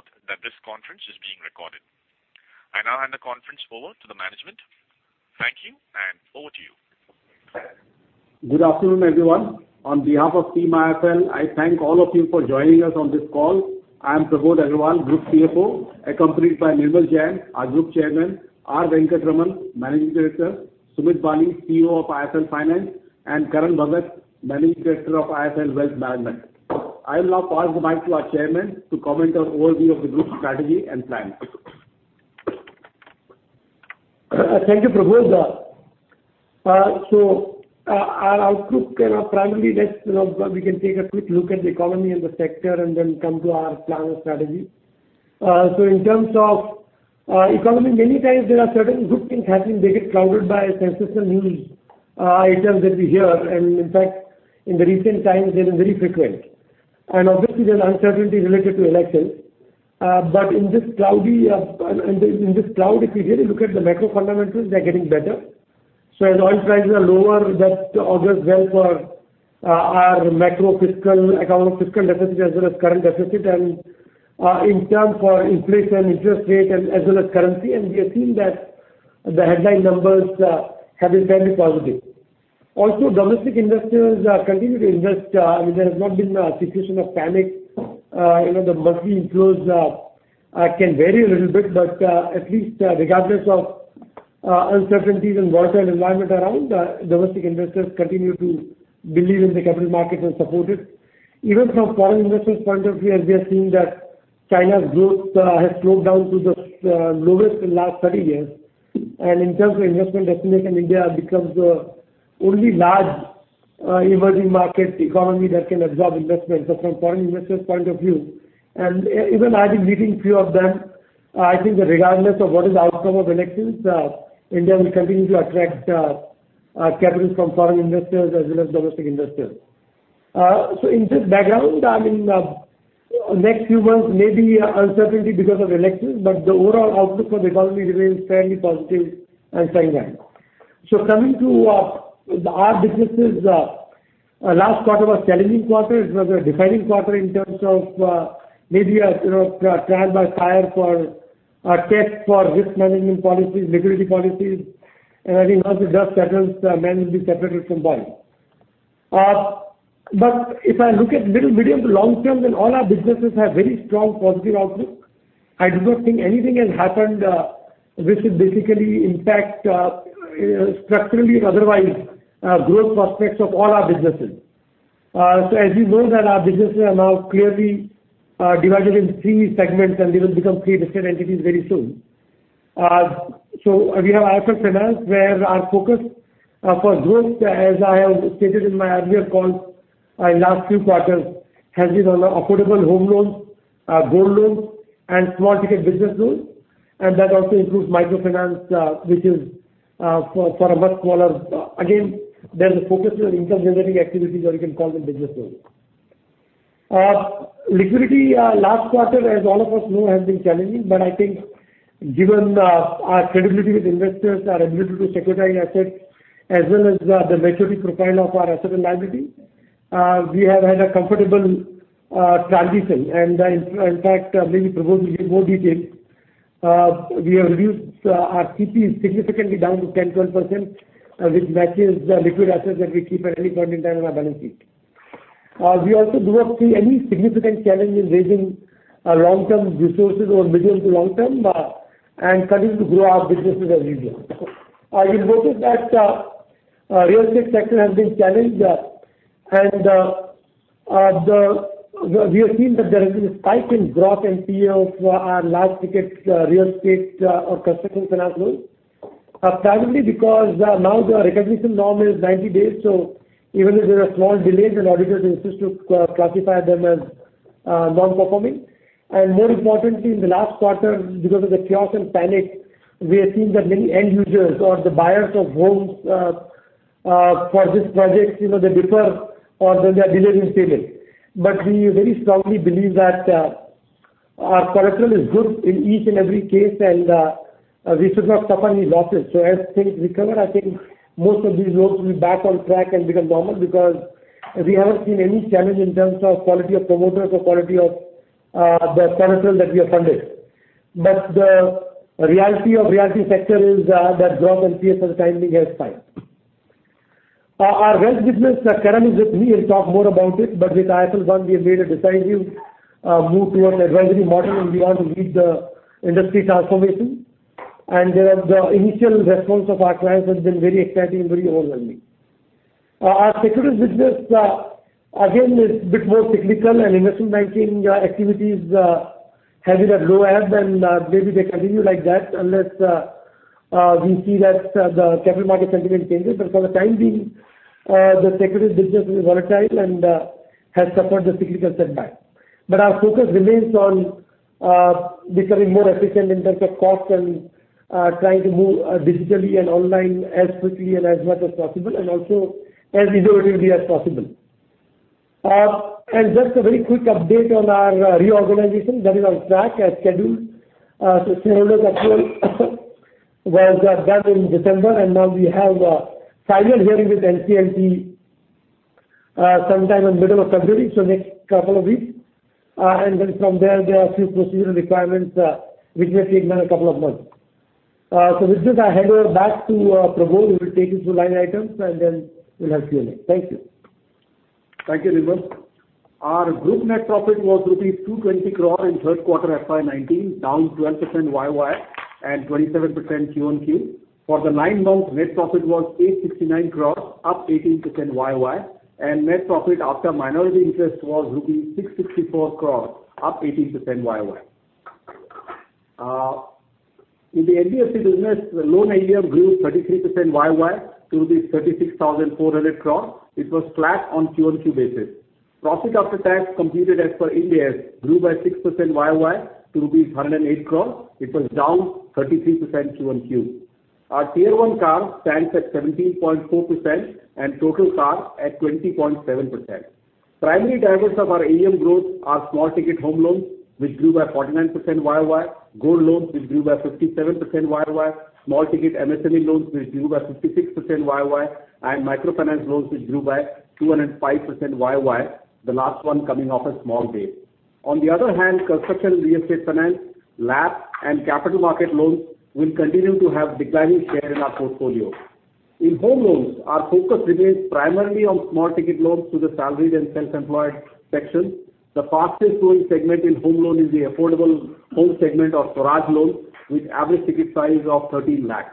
Please note that this conference is being recorded. I now hand the conference over to the management. Thank you, and over to you. Good afternoon, everyone. On behalf of Team IIFL, I thank all of you for joining us on this call. I am Prabodh Agrawal, Group CFO, accompanied by Nirmal Jain, our Group Chairman, R. Venkataraman, Managing Director, Sumit Bali, CEO of IIFL Finance, and Karan Bhagat, Managing Director of IIFL Wealth Management. I will now pass the mic to our Chairman to comment on overview of the group's strategy and plans. Thank you, Prabodh. Our outlook, primarily we can take a quick look at the economy and the sector, then come to our plan or strategy. In terms of economy, many times there are certain good things happening, they get clouded by sensational news items that we hear, in the recent times, they are very frequent. Obviously, there's uncertainty related to elections. In this cloud, if you really look at the macro fundamentals, they are getting better. As oil prices are lower, that augurs well for our macro fiscal account or fiscal deficit as well as current deficit and in terms of inflation, interest rate, as well as currency. We are seeing that the headline numbers have been fairly positive. Also, domestic investors continue to invest. I mean, there has not been a situation of panic. The monthly inflows can vary a little bit, at least regardless of uncertainties and volatile environment around, domestic investors continue to believe in the capital market and support it. Even from foreign investors' point of view, as we are seeing that China's growth has slowed down to the lowest in last 30 years, and in terms of investment destination, India becomes only large emerging market economy that can absorb investments from foreign investors' point of view. Even I've been meeting few of them. I think that regardless of what is the outcome of elections, India will continue to attract capital from foreign investors as well as domestic investors. In this background, next few months may be uncertainty because of elections, the overall outlook for the economy remains fairly positive and favorable. Coming to our businesses. Last quarter was challenging quarter. It was a defining quarter in terms of maybe a trial by fire for a test for risk management policies, liquidity policies. I think once the dust settles, men will be separated from boys. If I look at little medium to long- term, then all our businesses have very strong positive outlook. I do not think anything has happened which will basically impact structurally and otherwise growth prospects of all our businesses. As you know that our businesses are now clearly divided into three segments and they will become three distinct entities very soon. We have IIFL Finance where our focus for growth, as I have stated in my earlier calls in last few quarters, has been on affordable home loans, gold loans, and small-ticket business loans. That also includes microfinance, which is for a much smaller. Again, there is a focus on income-generating activities, or you can call them business loans. Liquidity last quarter, as all of us know, has been challenging, I think given our credibility with investors, our ability to securitize assets, as well as the maturity profile of our asset and liability, we have had a comfortable transition. In fact, maybe Prabodh will give more detail. We have reduced our CPs significantly down to 10%-12%, which matches the liquid assets that we keep at any point in time on our balance sheet. We also do not see any significant challenge in raising long-term resources over medium to long- term and continue to grow our businesses as usual. You'll notice that real estate sector has been challenged. We have seen that there has been a spike in gross NPAs for our large ticket real estate or construction finance loans. Primarily because now the recognition norm is 90 days, so even if there are small delays, then auditors insist to classify them as non-performing. More importantly, in the last quarter, because of the chaos and panic, we have seen that many end users or the buyers of homes for these projects, they differ or they are delaying payment. We very strongly believe that our collateral is good in each and every case, and we should not suffer any losses. As things recover, I think most of these loans will be back on track and become normal because we haven't seen any challenge in terms of quality of promoters or quality of the collateral that we have funded. The reality of realty sector is that gross NPAs for the time being has spiked. Our wealth business, Karan is with me, he'll talk more about it. With IIFL One, we have made a decisive move to an advisory model, and we want to lead the industry transformation. The initial response of our clients has been very exciting and very overwhelming. Our securities business again is bit more cyclical and investment banking activities have hit a low ebb and maybe they continue like that unless we see that the capital market sentiment changes. For the time being, the securities business is volatile and has suffered a cyclical setback. Our focus remains on becoming more efficient in terms of cost and trying to move digitally and online as quickly and as much as possible, and also as easily as possible. Just a very quick update on our reorganization. That is on track as scheduled. Shareholder approval was done in December, and now we have final hearing with NCLT sometime in middle of February, so next couple of weeks. From there are few procedural requirements, which may take another couple of months. With this, I hand over back to Prabodh, who will take you through line items, and then we'll have Q&A. Thank you. Thank you, Ribas. Our group net profit was rupees 220 crore in third quarter FY 2019, down 12% YOY and 27% QOQ. For the nine months, net profit was 869 crore, up 18% YOY, and net profit after minority interest was rupees 664 crore, up 18% YOY. In the NBFC business, loan AUM grew 33% YOY to 36,400 crore. It was flat on QOQ basis. Profit after tax computed as per Ind AS grew by 6% YOY to rupees 108 crore. It was down 33% QOQ. Our Tier 1 CAR stands at 17.4% and total CAR at 20.7%. Primary drivers of our AUM growth are small ticket home loans, which grew by 49% YOY, gold loans, which grew by 57% YOY, small ticket MSME loans, which grew by 56% YOY, and microfinance loans, which grew by 205% YOY. The last one coming off a small base. On the other hand, construction real estate finance, LAP, and capital market loans will continue to have declining share in our portfolio. In home loans, our focus remains primarily on small ticket loans to the salaried and self-employed sections. The fastest growing segment in home loan is the affordable home segment of Swaraj loan, with average ticket size of 13 lakh.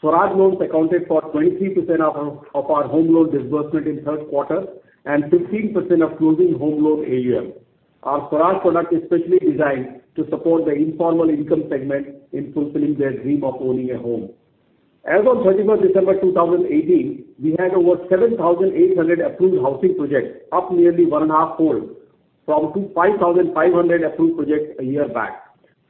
Swaraj loans accounted for 23% of our home loan disbursement in third quarter and 15% of closing home loan AUM. Our Swaraj product is specially designed to support the informal income segment in fulfilling their dream of owning a home. As on 31st December 2018, we had over 7,800 approved housing projects, up nearly one and a half fold from 5,500 approved projects a year back.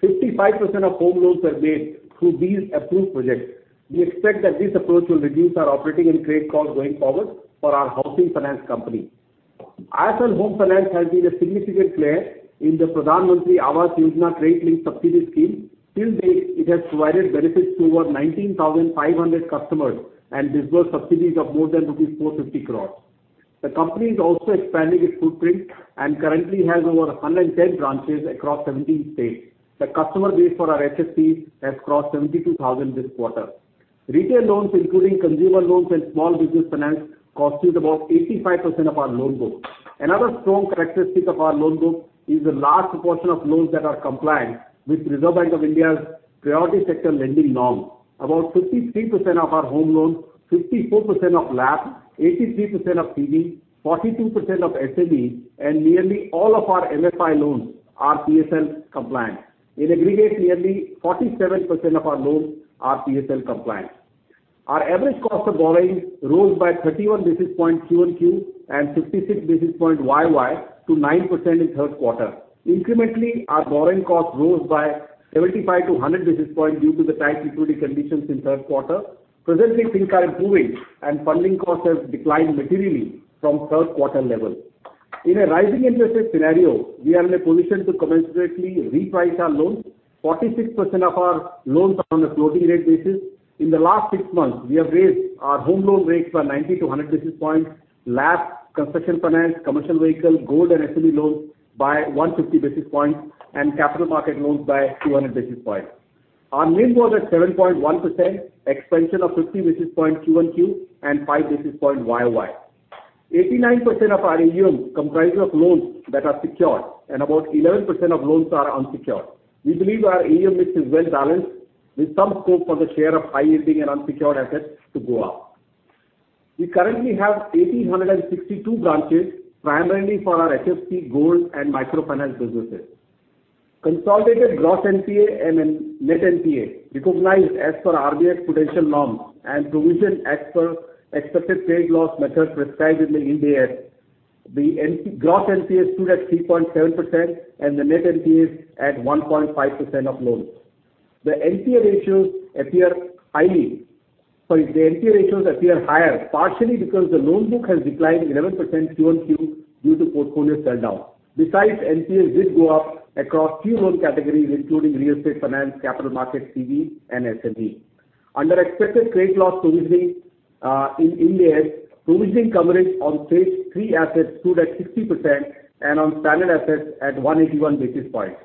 55% of home loans were made through these approved projects. We expect that this approach will reduce our operating and credit cost going forward for our housing finance company. IIFL Home Finance has been a significant player in the Pradhan Mantri Awas Yojana credit-linked subsidy scheme. Till date, it has provided benefits to over 19,500 customers and disbursed subsidies of more than 450 crore. The company is also expanding its footprint and currently has over 110 branches across 17 states. The customer base for our HFC has crossed 72,000 this quarter. Retail loans, including consumer loans and small business finance, constitutes about 85% of our loan book. Another strong characteristic of our loan book is the large proportion of loans that are compliant with Reserve Bank of India's priority sector lending norm. About 53% of our home loans, 54% of LAP, 83% of CV, 42% of SME, and nearly all of our MFI loans are PSL compliant. In aggregate, nearly 47% of our loans are PSL compliant. Our average cost of borrowing rose by 31 basis points QOQ and 56 basis points YOY to 90% in third quarter. Incrementally, our borrowing cost rose by 75 to 100 basis points due to the tight liquidity conditions in third quarter. Presently, things are improving and funding cost has declined materially from third quarter level. In a rising interest rate scenario, we are in a position to commensurately reprice our loans. 46% of our loans are on a floating rate basis. In the last six months, we have raised our home loan rates by 90 to 100 basis points, LAP, construction finance, commercial vehicle, gold, and SME loans by 150 basis points, and capital market loans by 200 basis points. Our NIM was at 7.1%, expansion of 50 basis points QOQ and five basis points YOY. 89% of our AUM comprises of loans that are secured and about 11% of loans are unsecured. We believe our AUM mix is well-balanced with some scope for the share of high yielding and unsecured assets to go up. We currently have 1,862 branches, primarily for our HFC, gold, and microfinance businesses. Consolidated gross NPA and net NPA recognized as per RBI's prudential norm and provision as per expected credit loss method prescribed in the Ind AS. The gross NPA stood at 3.7% and the net NPA at 1.5% of loans. The NPA ratios appear higher, partially because the loan book has declined 11% QOQ due to portfolio sell-down. Besides, NPAs did go up across few loan categories, including real estate finance, capital market, CV, and SME. Under expected credit loss provisioning in Ind AS, provisioning coverage on Stage three assets stood at 60% and on standard assets at 181 basis points.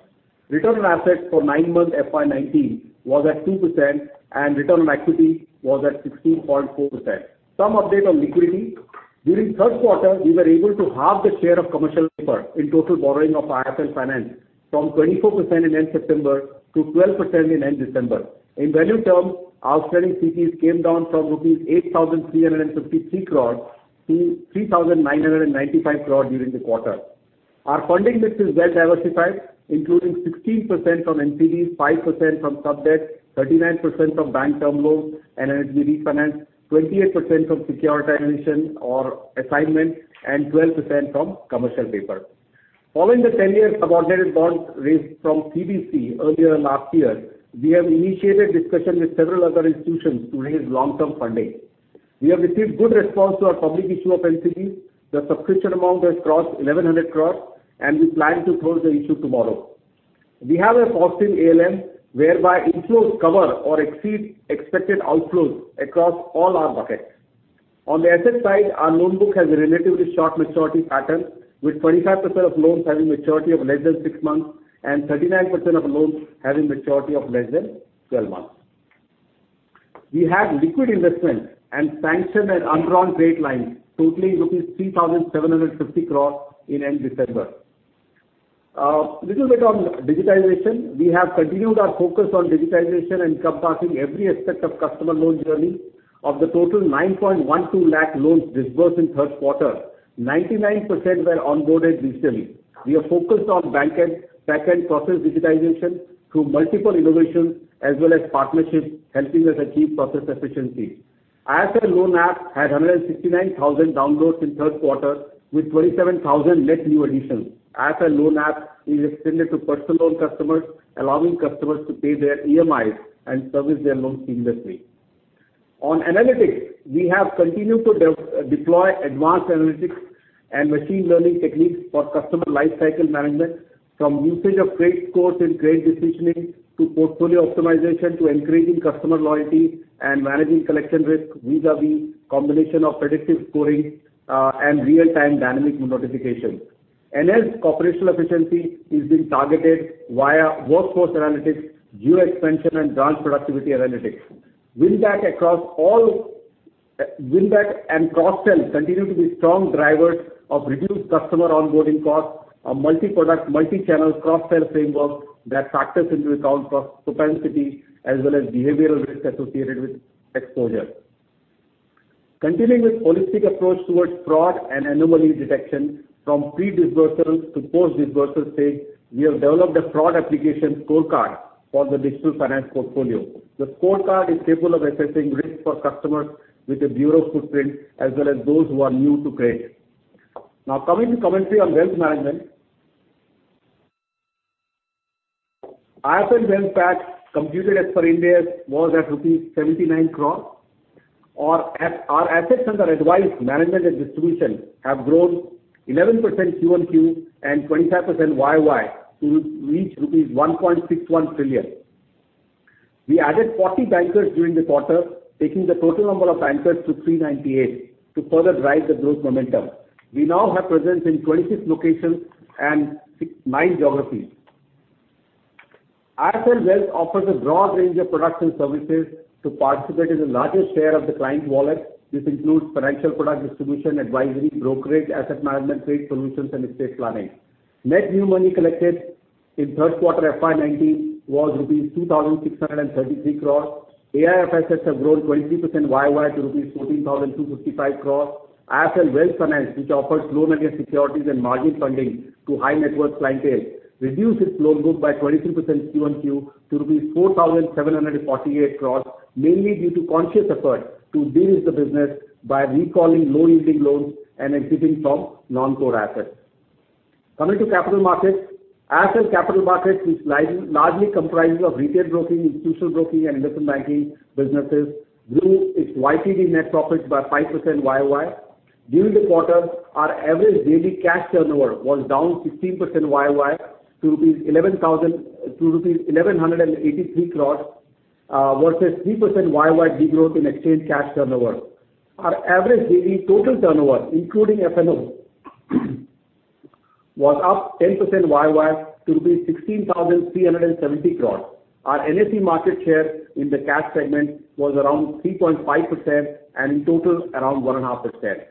Return on assets for nine months FY 2019 was at 2% and return on equity was at 16.4%. Some update on liquidity. During third quarter, we were able to halve the share of commercial paper in total borrowing of IIFL Finance from 24% in end September to 12% in end December. In value term, outstanding CPs came down from rupees 8,353 crore to 3,995 crore during the quarter. Our funding mix is well diversified, including 16% from NCDs, 5% from sub-debt, 39% from bank term loans and NBFC finance, 28% from securitization or assignments, and 12% from commercial paper. Following the 10 years subordinated bond raised from CDC earlier last year, we have initiated discussion with several other institutions to raise long-term funding. We have received good response to our public issue of NCDs. The subscription amount has crossed 1,100 crore and we plan to close the issue tomorrow. We have a positive ALM whereby inflows cover or exceed expected outflows across all our buckets. On the asset side, our loan book has a relatively short maturity pattern, with 25% of loans having maturity of less than six months and 39% of loans having maturity of less than 12 months. We have liquid investments and sanctioned and undrawn trade lines totaling 3,750 crore in end December. A little bit on digitization. We have continued our focus on digitization and compassing every aspect of customer loan journey. Of the total 9.12 lakh loans disbursed in third quarter, 99% were onboarded digitally. We are focused on bank and back-end process digitization through multiple innovations as well as partnerships helping us achieve process efficiency. IIFL Loan App had 169,000 downloads in third quarter with 27,000 net new additions. IIFL Loan App is extended to personal loan customers, allowing customers to pay their EMIs and service their loans seamlessly. On analytics, we have continued to deploy advanced analytics and machine learning techniques for customer lifecycle management, from usage of credit scores and trade decisioning, to portfolio optimization, to increasing customer loyalty and managing collection risk vis-à-vis combination of predictive scoring and real-time dynamic notifications. Enhanced operational efficiency is being targeted via workforce analytics, geo expansion, and branch productivity analytics. Win back and cross-sell continue to be strong drivers of reduced customer onboarding costs, a multi-product, multi-channel cross-sell framework that factors into account for propensity as well as behavioral risk associated with exposure. Continuing with holistic approach towards fraud and anomaly detection from pre-disbursement to post-disbursement stage, we have developed a fraud application scorecard for the digital finance portfolio. The scorecard is capable of assessing risk for customers with a bureau footprint as well as those who are new to credit. Now, coming to commentary on wealth management. IIFL Wealth PAT, computed as per Ind AS, was at rupees 79 crores. Our assets under advice, management, and distribution have grown 11% Q-on-Q and 25% Y-on-Y to reach rupees 1.61 trillion. We added 40 bankers during the quarter, taking the total number of bankers to 398 to further drive the growth momentum. We now have presence in 26 locations and nine geographies. IIFL Wealth offers a broad range of products and services to participate in the largest share of the client wallet. This includes financial product distribution, advisory, brokerage, asset management, trade solutions, and estate planning. Net new money collected in third quarter FY 2019 was rupees 2,633 crores. AIF assets have grown 23% Y-on-Y to rupees 14,255 crores. IIFL Wealth Finance, which offers loan against securities and margin funding to high net worth clientele, reduced its loan book by 23% Q-on-Q to rupees 4,748 crores, mainly due to conscious effort to de-risk the business by recalling low-yielding loans and exiting from non-core assets. Coming to capital markets. IIFL Capital Markets, which largely comprises of retail broking, institutional broking and investment banking businesses, grew its YTD net profit by 5% Y-on-Y. During the quarter, our average daily cash turnover was down 15% Y-on-Y to rupees 1,183 crores versus 3% Y-on-Y de-growth in exchange cash turnover. Our average daily total turnover, including F&O, was up 10% Y-on-Y to 16,370 crores. Our NSE market share in the cash segment was around 3.5% and in total, around 1.5%.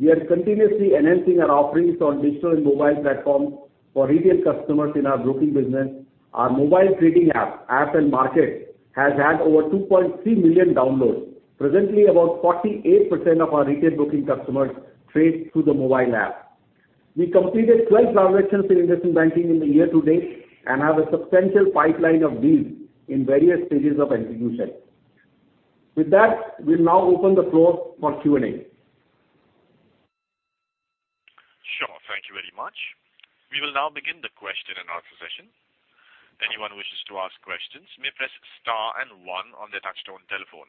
We are continuously enhancing our offerings on digital and mobile platform for retail customers in our broking business. Our mobile trading app, IIFL Markets, has had over 2.3 million downloads. Presently, about 48% of our retail broking customers trade through the mobile app. We completed 12 transactions in investment banking in the year to date and have a substantial pipeline of deals in various stages of execution. With that, we'll now open the floor for Q&A. Sure. Thank you very much. We will now begin the question and answer session. Anyone who wishes to ask questions may press star and one on their touch-tone telephone.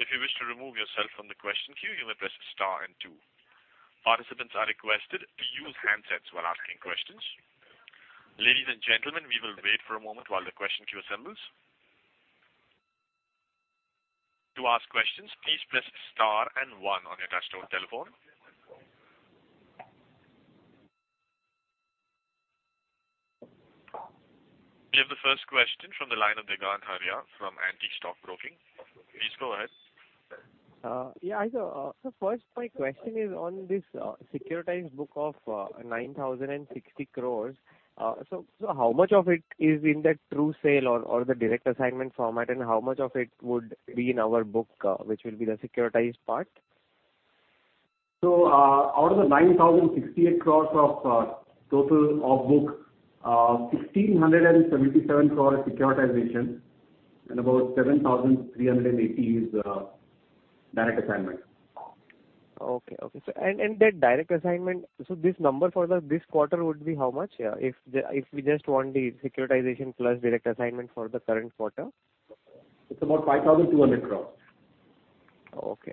If you wish to remove yourself from the question queue, you may press star and two. Participants are requested to use handsets while asking questions. Ladies and gentlemen, we will wait for a moment while the question queue assembles. To ask questions, please press star and one on your touch-tone telephone. We have the first question from the line of Vikram Sharia from Antique Stock Broking. Please go ahead. Yeah. First my question is on this securitized book of 9,060 crores. How much of it is in that true sale or the direct assignment format, and how much of it would be in our book, which will be the securitized part? Out of the 9,068 crores of total off book, 1,677 crores is securitization and about 7,380 crores is direct assignment. Okay. That direct assignment, this number for this quarter would be how much, if we just want the securitization plus direct assignment for the current quarter? It's about 5,200 crores. Okay.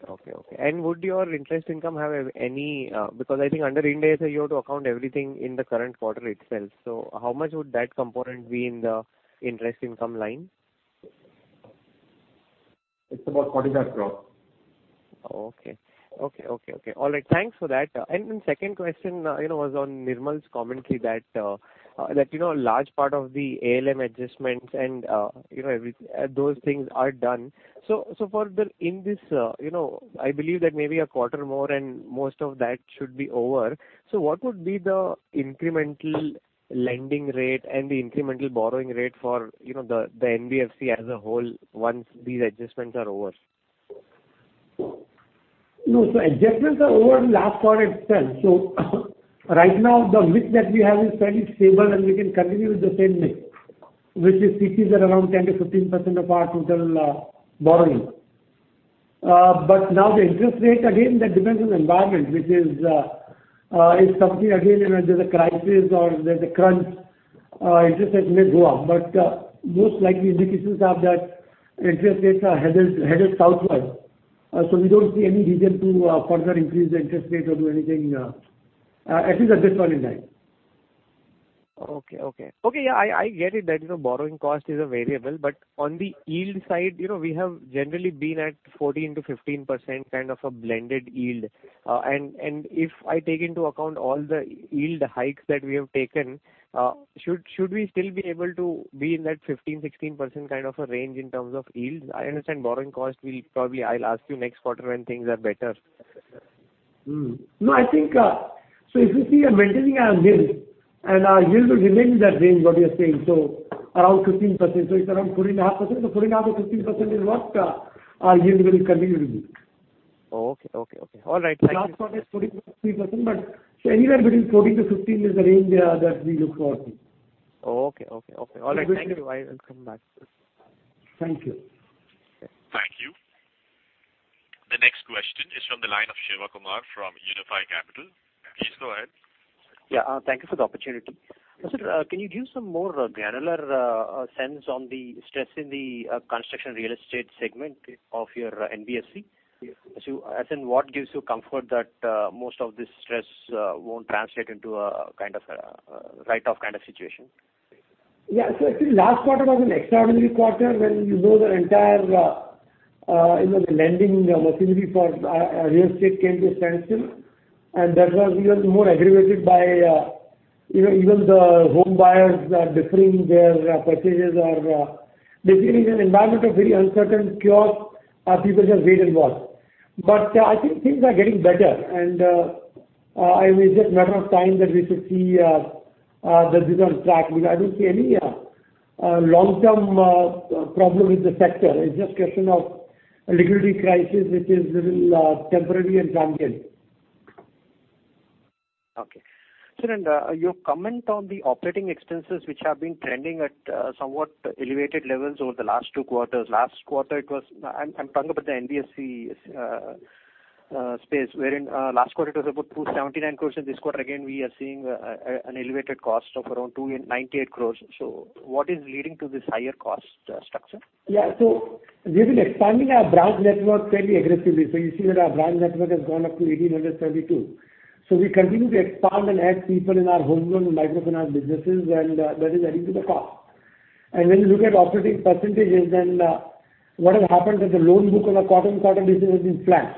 Would your interest income have any Because I think under Ind AS, you have to account everything in the current quarter itself. How much would that component be in the interest income line? It's about 45 crores. Okay. All right, thanks for that. Second question was on Nirmal's commentary that a large part of the ALM adjustments and those things are done. For in this, I believe that maybe a quarter more and most of that should be over. What would be the incremental lending rate and the incremental borrowing rate for the NBFC as a whole once these adjustments are over? No. Adjustments are over last quarter itself. Right now the mix that we have is fairly stable, and we can continue with the same mix, which is CCPs are around 10%-15% of our total borrowing. Now the interest rate, again, that depends on environment, which is something, again, there's a crisis or there's a crunch, interest rate may go up. Most likely indications are that interest rates are headed southward. We don't see any reason to further increase the interest rate or do anything, at least at this point in time. Okay. Yeah, I get it that borrowing cost is a variable. On the yield side, we have generally been at 14%-15% kind of a blended yield. If I take into account all the yield hikes that we have taken, should we still be able to be in that 15%-16% kind of a range in terms of yields? I understand borrowing cost will probably, I'll ask you next quarter when things are better. No, I think, if you see we are maintaining our yield, and our yield will remain in that range, what you're saying, around 15%. It's around 14.5%-14.5% or 15% is what our yield will continue to be. Okay. All right. Thank you. Last quarter it's 14.3%, but so anywhere between 14-15 is the range that we look forward to. Okay. All right. Thank you. I will come back to this. Thank you. Thank you. The next question is from the line of Shivakumar from Unifi Capital. Please go ahead. Yeah, thank you for the opportunity. Sir, can you give some more granular sense on the stress in the construction real estate segment of your NBFC? As in what gives you comfort that most of this stress won't translate into a write-off kind of situation? Yeah. I think last quarter was an extraordinary quarter when you know the entire lending facility for real estate came to a standstill and that was even more aggravated by even the home buyers deferring their purchases or basically in an environment of very uncertain cure, people just wait and watch. I think things are getting better and it's just matter of time that we should see that this is on track because I don't see any long-term problem with the sector. It's just question of liquidity crisis, which is little temporary in nature. Okay. Sir, your comment on the operating expenses, which have been trending at somewhat elevated levels over the last two quarters. Last quarter it was, I'm talking about the NBFC space, wherein last quarter it was about 279 crores. In this quarter again, we are seeing an elevated cost of around 298 crores. What is leading to this higher cost structure? Yeah. We've been expanding our branch network fairly aggressively. You see that our branch network has gone up to 1,872. We continue to expand and add people in our home loan and microfinance businesses, that is adding to the cost. When you look at operating percentages, what has happened is the loan book on a quarter-on-quarter basis has been flat.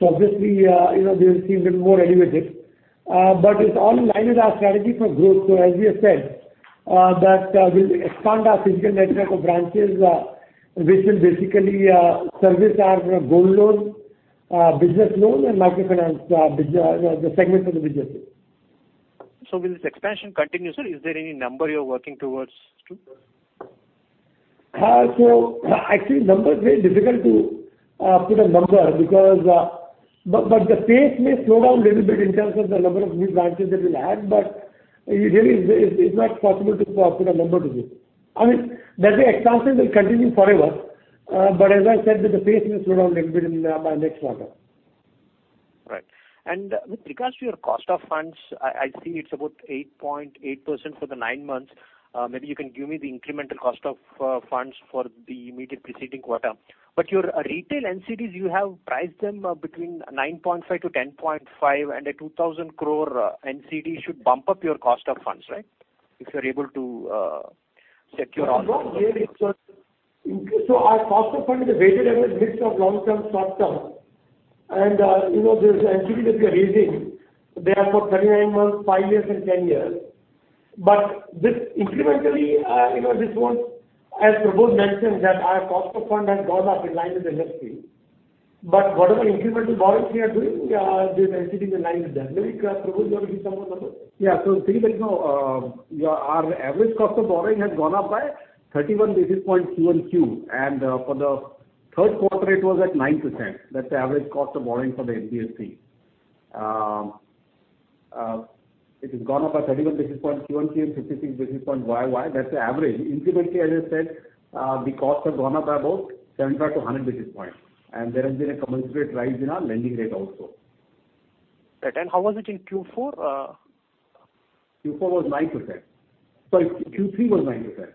Obviously, they will seem little more elevated. It's all in line with our strategy for growth. As we have said that we'll expand our physical network of branches, which will basically service our home loan, business loan, and microfinance segment of the business. Will this expansion continue, sir? Is there any number you're working towards to? Actually number is very difficult to put a number because. The pace may slow down little bit in terms of the number of new branches that we'll add, but really it's not possible to put a number to this. I mean, that way expansion will continue forever. As I said, the pace may slow down little bit in next quarter. Right. With regards to your cost of funds, I see it's about 8.8% for the nine months. Maybe you can give me the incremental cost of funds for the immediate preceding quarter. Your retail NCDs, you have priced them between 9.5%-10.5% and a 2,000 crore NCD should bump up your cost of funds, right? If you're able to secure all- No, really. Our cost of fund is a weighted average mix of long-term, short-term, and those NCDs that we are raising, they are for 39 months, five years and 10 years. This incrementally this won't, as Prabodh mentioned, that our cost of fund has gone up in line with the industry. Whatever incremental borrowings we are doing, these NCDs are lined with that. Maybe Prabodh you want to give some of the numbers? Yeah. Sir you know our average cost of borrowing has gone up by 31 basis points quarter-on-quarter and for the third quarter it was at 9%. That's the average cost of borrowing for the NBFC. It has gone up by 31 basis points quarter-on-quarter and 56 basis points year-on-year. That's the average. Incrementally, as I said, the costs have gone up by about 75 to 100 basis points and there has been a commensurate rise in our lending rate also. Right. How was it in Q4? Q4 was 9%. Sorry, Q3 was 9%.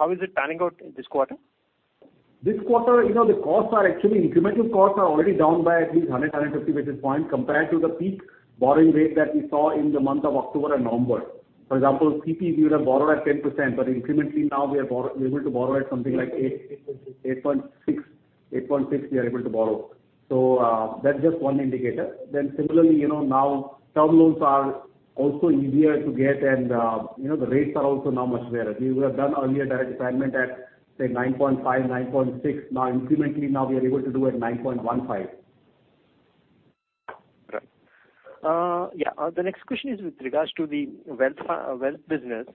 How is it panning out this quarter? This quarter, actually incremental costs are already down by at least 100, 150 basis points compared to the peak borrowing rate that we saw in the month of October and onward. For example, CP we would have borrowed at 10%, but incrementally now we're able to borrow at something like- 8.6 8.6 we are able to borrow. That's just one indicator. Similarly, now term loans are also easier to get and the rates are also now much better. We would have done earlier direct assignment at, say 9.5, 9.6. Now incrementally now we are able to do at 9.15. Right. Yeah. The next question is with regards to the wealth business.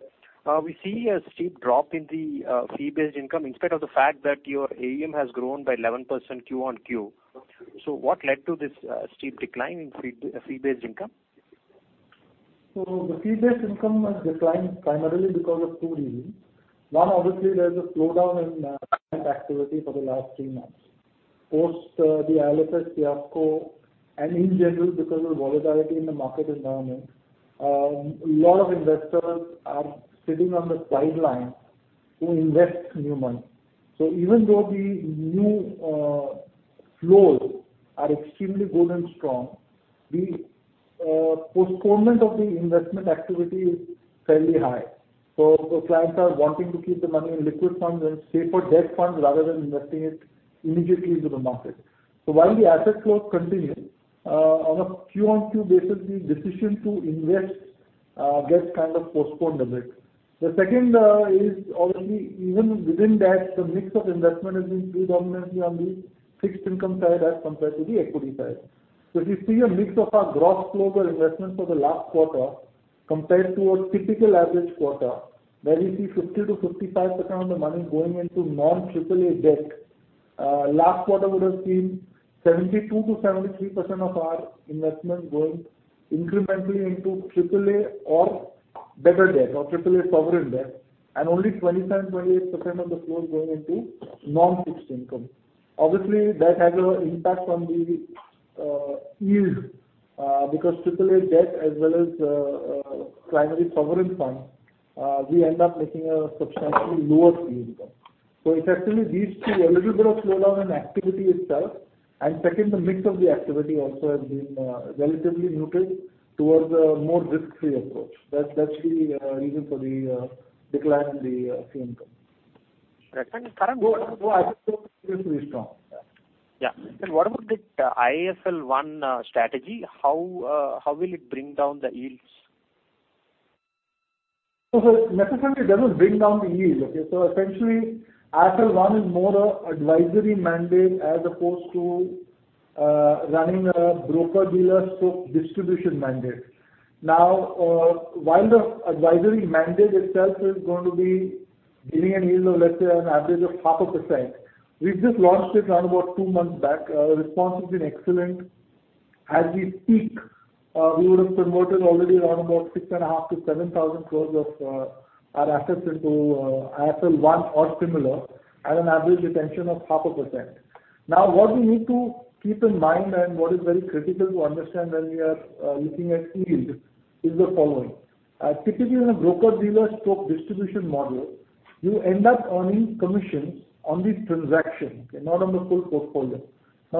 We see a steep drop in the fee-based income in spite of the fact that your AUM has grown by 11% Q on Q. What led to this steep decline in fee-based income? The fee-based income has declined primarily because of two reasons. One, obviously there's a slowdown in activity for the last three months. Post the IL&FS fiasco and in general because of volatility in the market environment, a lot of investors are sitting on the sideline to invest new money. Even though the new flows are extremely good and strong, the postponement of the investment activity is fairly high. The clients are wanting to keep the money in liquid funds and safer debt funds rather than investing it immediately into the market. While the asset flow continues, on a Q-on-Q basis the decision to invest gets kind of postponed a bit. The second is obviously even within that, the mix of investment has been predominantly on the fixed income side as compared to the equity side. If you see a mix of our gross flows or investments for the last quarter compared to a typical average quarter, where we see 50%-55% of the money going into non-AAA debt, last quarter would have seen 72%-73% of our investment going incrementally into AAA or better debt or AAA sovereign debt and only 27%-28% of the flow going into non-fixed income. That has an impact on the yield because AAA debt as well as primary sovereign funds we end up making a substantially lower fee income. It actually leads to a little bit of slowdown in activity itself and second, the mix of the activity also has been relatively muted towards a more risk-free approach. That's the reason for the decline in the fee income. Right. Current- Asset flow is pretty strong. Yeah. Yeah. What about the IIFL One strategy? How will it bring down the yields? Necessarily it doesn't bring down the yield. Essentially IIFL One is more an advisory mandate as opposed to running a broker-dealer scope distribution mandate. While the advisory mandate itself is going to be giving a yield of, let's say, an average of half a percent. We've just launched it round about two months back. Response has been excellent. As we speak, we would have promoted already around about 6,500 crores to 7,000 crores of our assets into IIFL One or similar at an average retention of half a percent. What we need to keep in mind and what is very critical to understand when we are looking at yield is the following. Typically in a broker-dealer scope distribution model, you end up earning commission on the transaction, not on the full portfolio.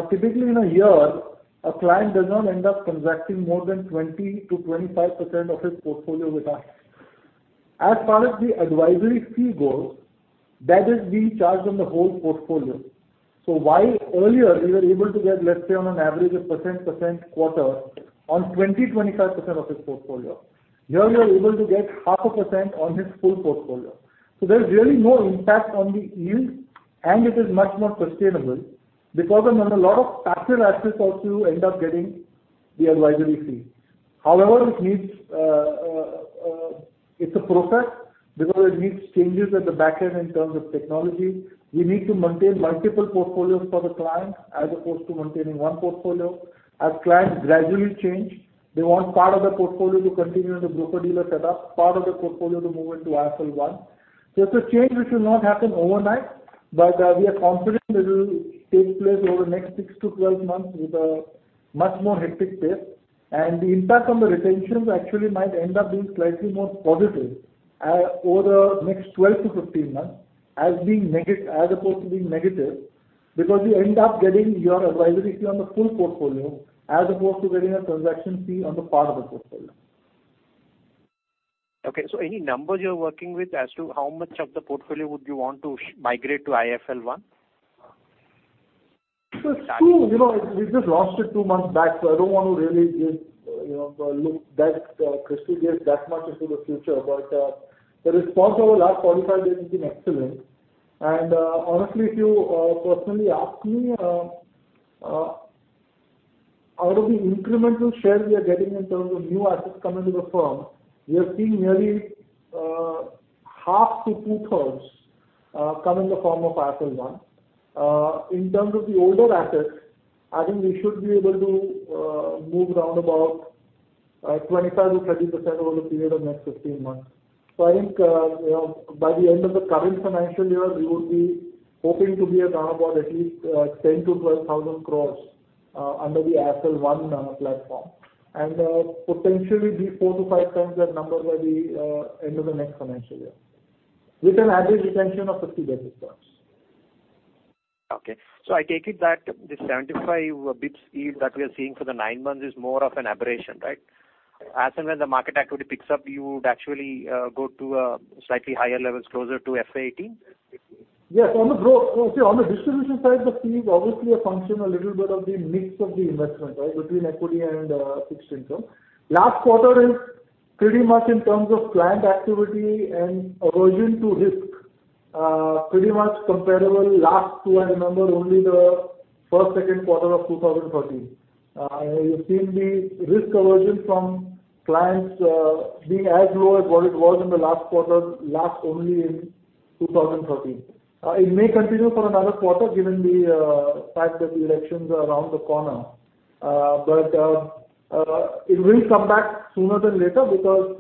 Typically in a year, a client does not end up transacting more than 20%-25% of his portfolio with us. As far as the advisory fee goes, that is being charged on the whole portfolio. While earlier we were able to get, let's say on an average a percent quarter on 20%-25% of his portfolio. Here we are able to get half a percent on his full portfolio. There's really no impact on the yield and it is much more sustainable because then a lot of passive assets also end up getting the advisory fee. However, it's a process because it needs changes at the back-end in terms of technology. We need to maintain multiple portfolios for the client as opposed to maintaining one portfolio. As clients gradually change, they want part of the portfolio to continue in the broker-dealer setup, part of the portfolio to move into IIFL One. It's a change which will not happen overnight, but we are confident it will take place over the next six to 12 months with a much more hectic pace and the impact on the retentions actually might end up being slightly more positive over the next 12-15 months as opposed to being negative because you end up getting your advisory fee on the full portfolio as opposed to getting a transaction fee on the part of the portfolio. Any numbers you're working with as to how much of the portfolio would you want to migrate to IIFL One? We just launched it two months back so I don't want to really look that much into the future but the response over the last 45 days has been excellent and honestly if you personally ask me, out of the incremental shares we are getting in terms of new assets coming to the firm, we are seeing nearly half to two-thirds come in the form of IIFL One. In terms of the older assets, I think we should be able to move around 25%-30% over the period of next 15 months. I think by the end of the current financial year, we would be hoping to be around at least 10,000 crores-12,000 crores under the IIFL One platform. Potentially be four to five times that number by the end of the next financial year, with an average retention of 50 basis points. Okay. I take it that this 75 basis points yield that we are seeing for the nine months is more of an aberration, right? As and when the market activity picks up, you would actually go to slightly higher levels closer to FY 2018? Yes. See on the distribution side, the fee is obviously a function a little bit of the mix of the investment, between equity and fixed income. Last quarter is pretty much in terms of client activity and aversion to risk. Pretty much comparable last to, I remember, only the first, second quarter of 2013. You've seen the risk aversion from clients being as low as what it was in the last quarter, last only in 2013. It may continue for another quarter given the fact that the elections are around the corner. It will come back sooner than later because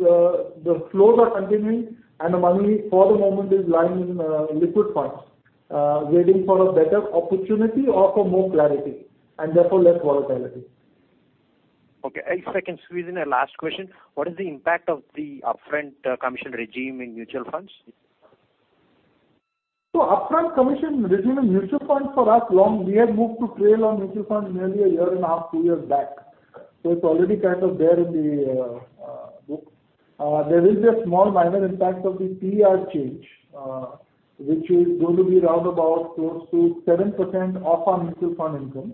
the flows are continuing, and the money for the moment is lying in liquid funds, waiting for a better opportunity or for more clarity, and therefore less volatility. Okay. If I can squeeze in a last question. What is the impact of the upfront commission regime in mutual funds? Upfront commission regime in mutual funds for us, we had moved to trail on mutual funds nearly a year and a half, 2 years back. It's already kind of there in the books. There is a small minor impact of the fee change which is going to be round about close to 7% of our mutual fund income.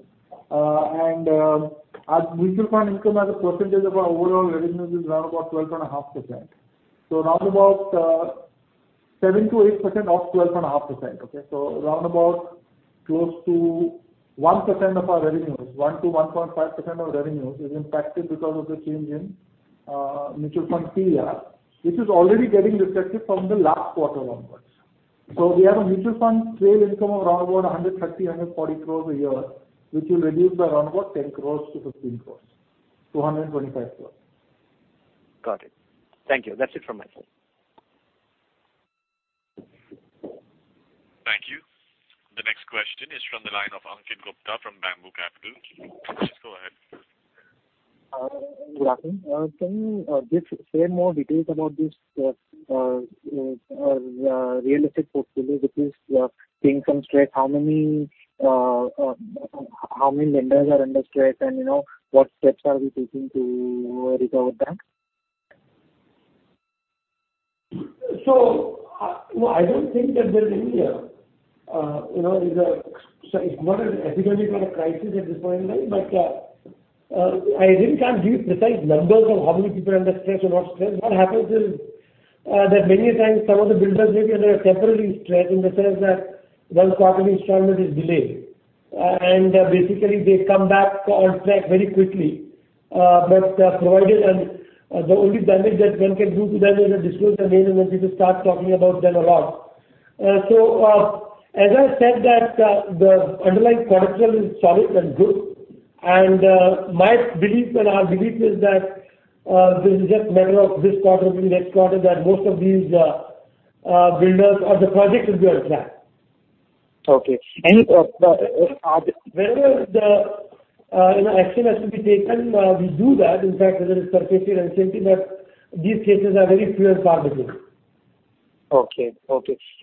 Our mutual fund income as a percentage of our overall revenues is around about 12.5%. Around about 7%-8% of 12.5%. Around about close to 1% of our revenues, 1%-1.5% of revenues is impacted because of the change in mutual fund fee, which is already getting reflected from the last quarter onwards. We have a mutual fund trail income of around about 130 crore-140 crore a year, which will reduce by around about 10 crore-15 crore, 225 crore. Got it. Thank you. That's it from my side. Thank you. The next question is from the line of Ankit Gupta from Bamboo Capital. Please go ahead. Good afternoon. Can you just say more details about this real estate portfolio which is seeing some stress? How many lenders are under stress, and what steps are we taking to recover them? It's not an epidemic or a crisis at this point in time. I really can't give precise numbers of how many people are under stress or what stress. What happens is that many a times some of the builders may be under a temporary stress in the sense that one quarter installment is delayed. Basically, they come back on track very quickly. The only damage that one can do to them is a disclosed amount and then people start talking about them a lot. As I said that the underlying collateral is solid and good, and my belief and our belief is that this is just a matter of this quarter to next quarter, that most of these builders or the projects will be on track. Okay. Wherever the action has to be taken we do that. In fact, whether it's 50/50, but these cases are very few and far between. Okay.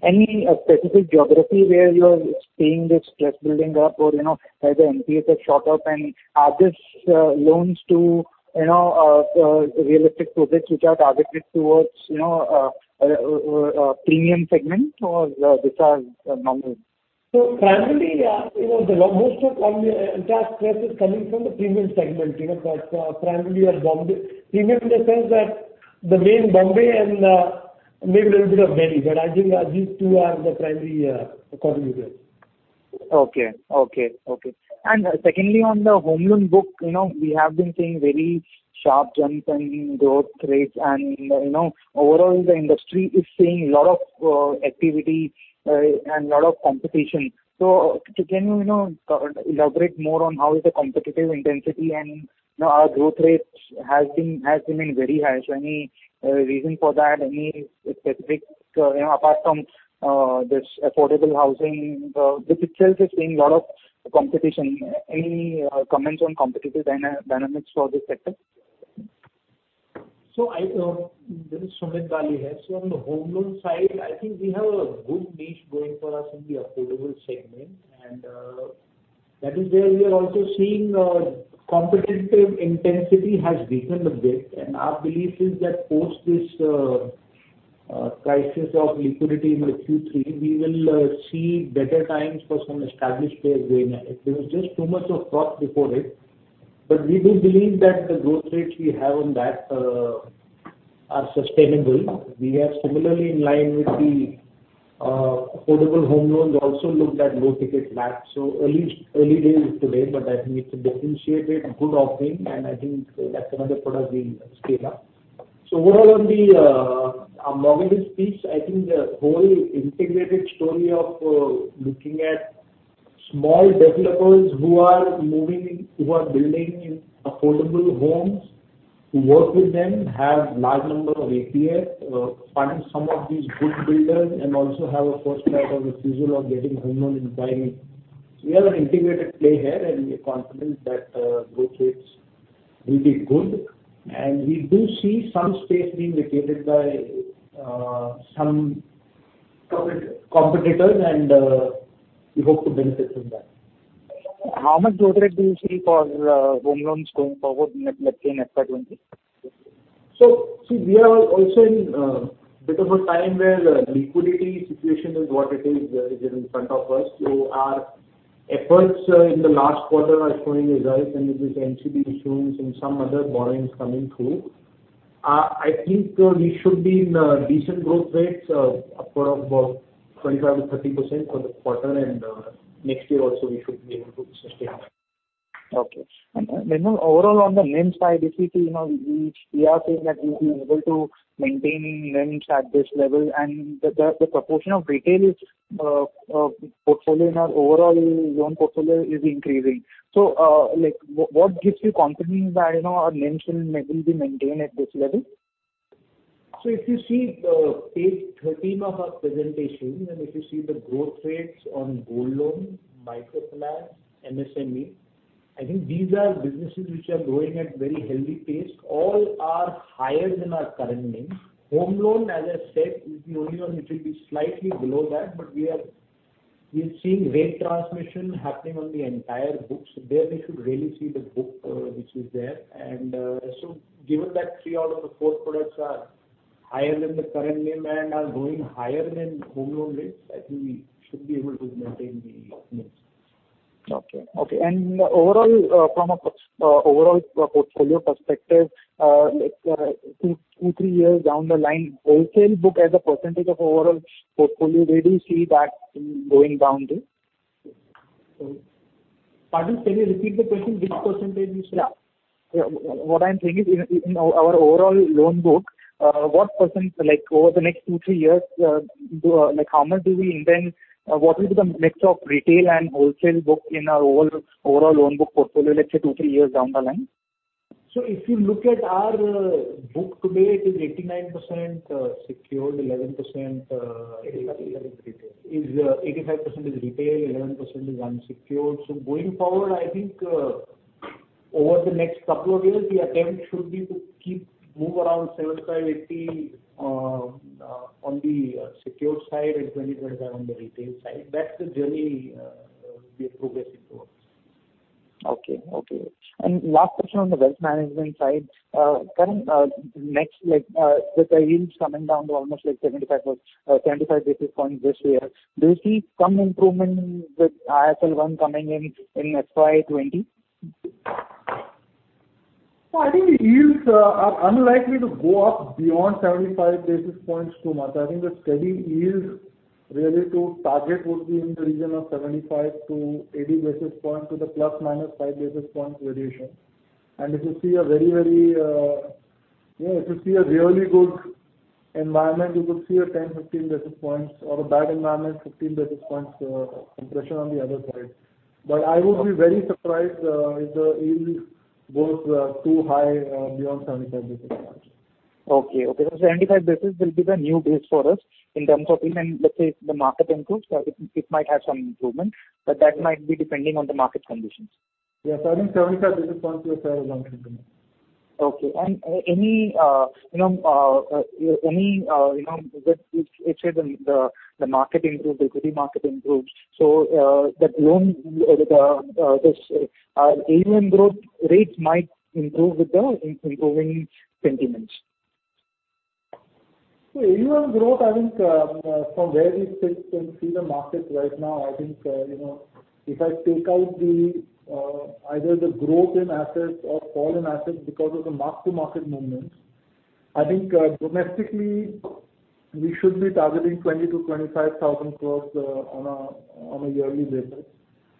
Any specific geography where you're seeing this stress building up or where the NPAs have shot up and are these loans to real estate projects which are targeted towards premium segment or these are normal? Primarily, most of our stress is coming from the premium segment. Primarily at Bombay. Premium in the sense that the main Bombay and maybe a little bit of Delhi, I think these two are the primary contributors. Okay. Secondly, on the home loan book, we have been seeing very sharp jumps in growth rates, and overall the industry is seeing a lot of activity and a lot of competition. Can you elaborate more on how is the competitive intensity and our growth rates has remained very high. Any reason for that? Any specific apart from this affordable housing, which itself is seeing a lot of competition. Any comments on competitive dynamics for this sector? This is Sumit Bali here. On the home loan side, I think we have a good niche going for us in the affordable segment. That is where we are also seeing competitive intensity has weakened a bit. Our belief is that post this crisis of liquidity in the Q3, we will see better times for some established players going ahead. There was just too much of froth before it, we do believe that the growth rates we have on that are sustainable. We are similarly in line with the affordable home loans also looked at low-ticket LAPs. Early days today, I think it's a differentiated good offering, and I think that's another product we scale up. Overall on the mortgage piece, I think the whole integrated story of looking at Small developers who are building affordable homes. To work with them have large number of ATF, fund some of these good builders and also have a first right of refusal of getting home loan in time. We have an integrated play here and we are confident that growth rates will be good. We do see some space being vacated by some competitors and we hope to benefit from that. How much growth rate do you see for home loans going forward, let's say in FY 2020? See, we are also in bit of a time where liquidity situation is what it is in front of us. Our efforts in the last quarter are showing results and with this NCD issuance and some other borrowings coming through. I think we should be in decent growth rates of upward of about 25%-30% for this quarter and next year also we should be able to sustain that. Okay. Overall on the NIM side, if we see now we are saying that we'll be able to maintain NIMs at this level and the proportion of retail portfolio in our overall loan portfolio is increasing. What gives you confidence that our NIMs will be maintained at this level? If you see the page 13 of our presentation and if you see the growth rates on gold loan, microfinance, MSME, I think these are businesses which are growing at very healthy pace. All are higher than our current NIM. Home loan as I said, is the only one which will be slightly below that. We are seeing rate transmission happening on the entire book. There we should really see the book which is there. Given that three out of the four products are higher than the current NIM and are growing higher than home loan rates, I think we should be able to maintain the NIMs. Okay. From overall portfolio perspective two, three years down the line wholesale book as a % of overall portfolio where do you see that going down to? Pardon. Can you repeat the question which % you said? What I'm saying is in our overall loan book, over the next two, three years what will be the mix of retail and wholesale book in our overall loan book portfolio let's say two or three years down the line? If you look at our book today it is 89% secured, 11%- 85% is retail. 85% is retail, 11% is unsecured. Going forward I think over the next couple of years the attempt should be to move around 75/80 on the secured side and 20/25 on the retail side. That's the journey we are progressing towards. Okay. Last question on the wealth management side. With the yields coming down to almost 75 basis points this year, do you see some improvement with IIFL One coming in FY 2020? No, I think the yields are unlikely to go up beyond 75 basis points too much. I think the steady yields really to target would be in the region of 75 to 80 basis points with a ±5 basis points variation. If you see a really good environment you could see a 10-15 basis points or a bad environment 15 basis points compression on the other side. I would be very surprised if the yield goes too high beyond 75 basis points. Okay. 75 basis will be the new base for us in terms of yield and let's say if the market improves it might have some improvement but that might be depending on the market conditions. Yes. I think 75 basis points is a fair long-term view. Okay. You said when the equity market improves so the AUM growth rates might improve with the improving sentiments. AUM growth I think from where we sit and see the market right now I think if I take out either the growth in assets or fall in assets because of the mark to market movements I think domestically we should be targeting ₹20,000-₹25,000 crores on a yearly basis.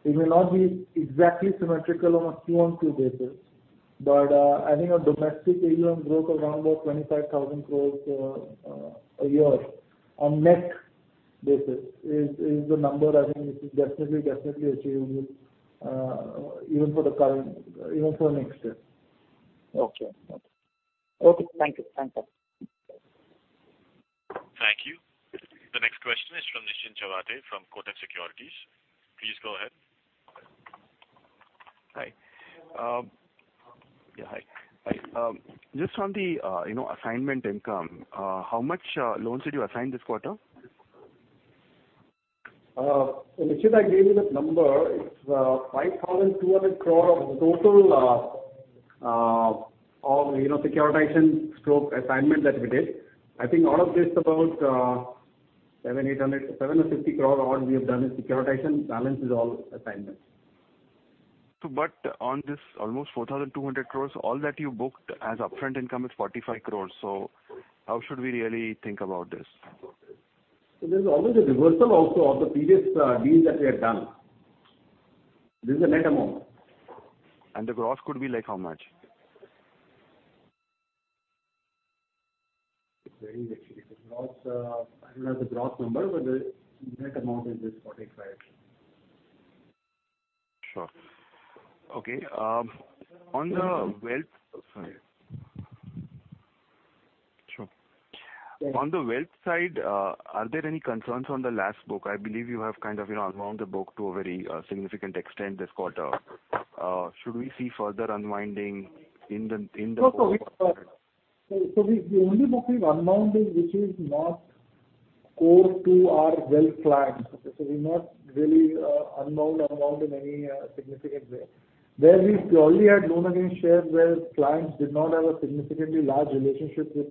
It may not be exactly symmetrical on a Q-on-Q basis but I think a domestic AUM growth around about ₹25,000 crores a year on net basis is the number I think which is definitely achievable even for next year. Okay. Thank you. Thank you. The next question is from Nischint Chawathe from Kotak Securities. Please go ahead. Hi. Just on the assignment income, how much loans did you assign this quarter? Nishin, I gave you that number. It is 5,200 crore of the total of securitization/assignment that we did. I think out of this about 750 crore odd we have done is securitization, balance is all assignments. On this almost 4,200 crores all that you booked as upfront income is 45 crores. How should we really think about this? There's always a reversal also of the previous deal that we had done. This is a net amount. The gross could be how much? Very actually. I don't have the gross number, the net amount is this INR 45. Sure. Okay. On the wealth side, are there any concerns on the LAS book? I believe you have kind of unwound the book to a very significant extent this quarter. Should we see further unwinding in the book? No. The only book we've unwound is which is not core to our wealth clients. We've not really unwound in any significant way. Where we purely had loan against shares where clients did not have a significantly large relationship with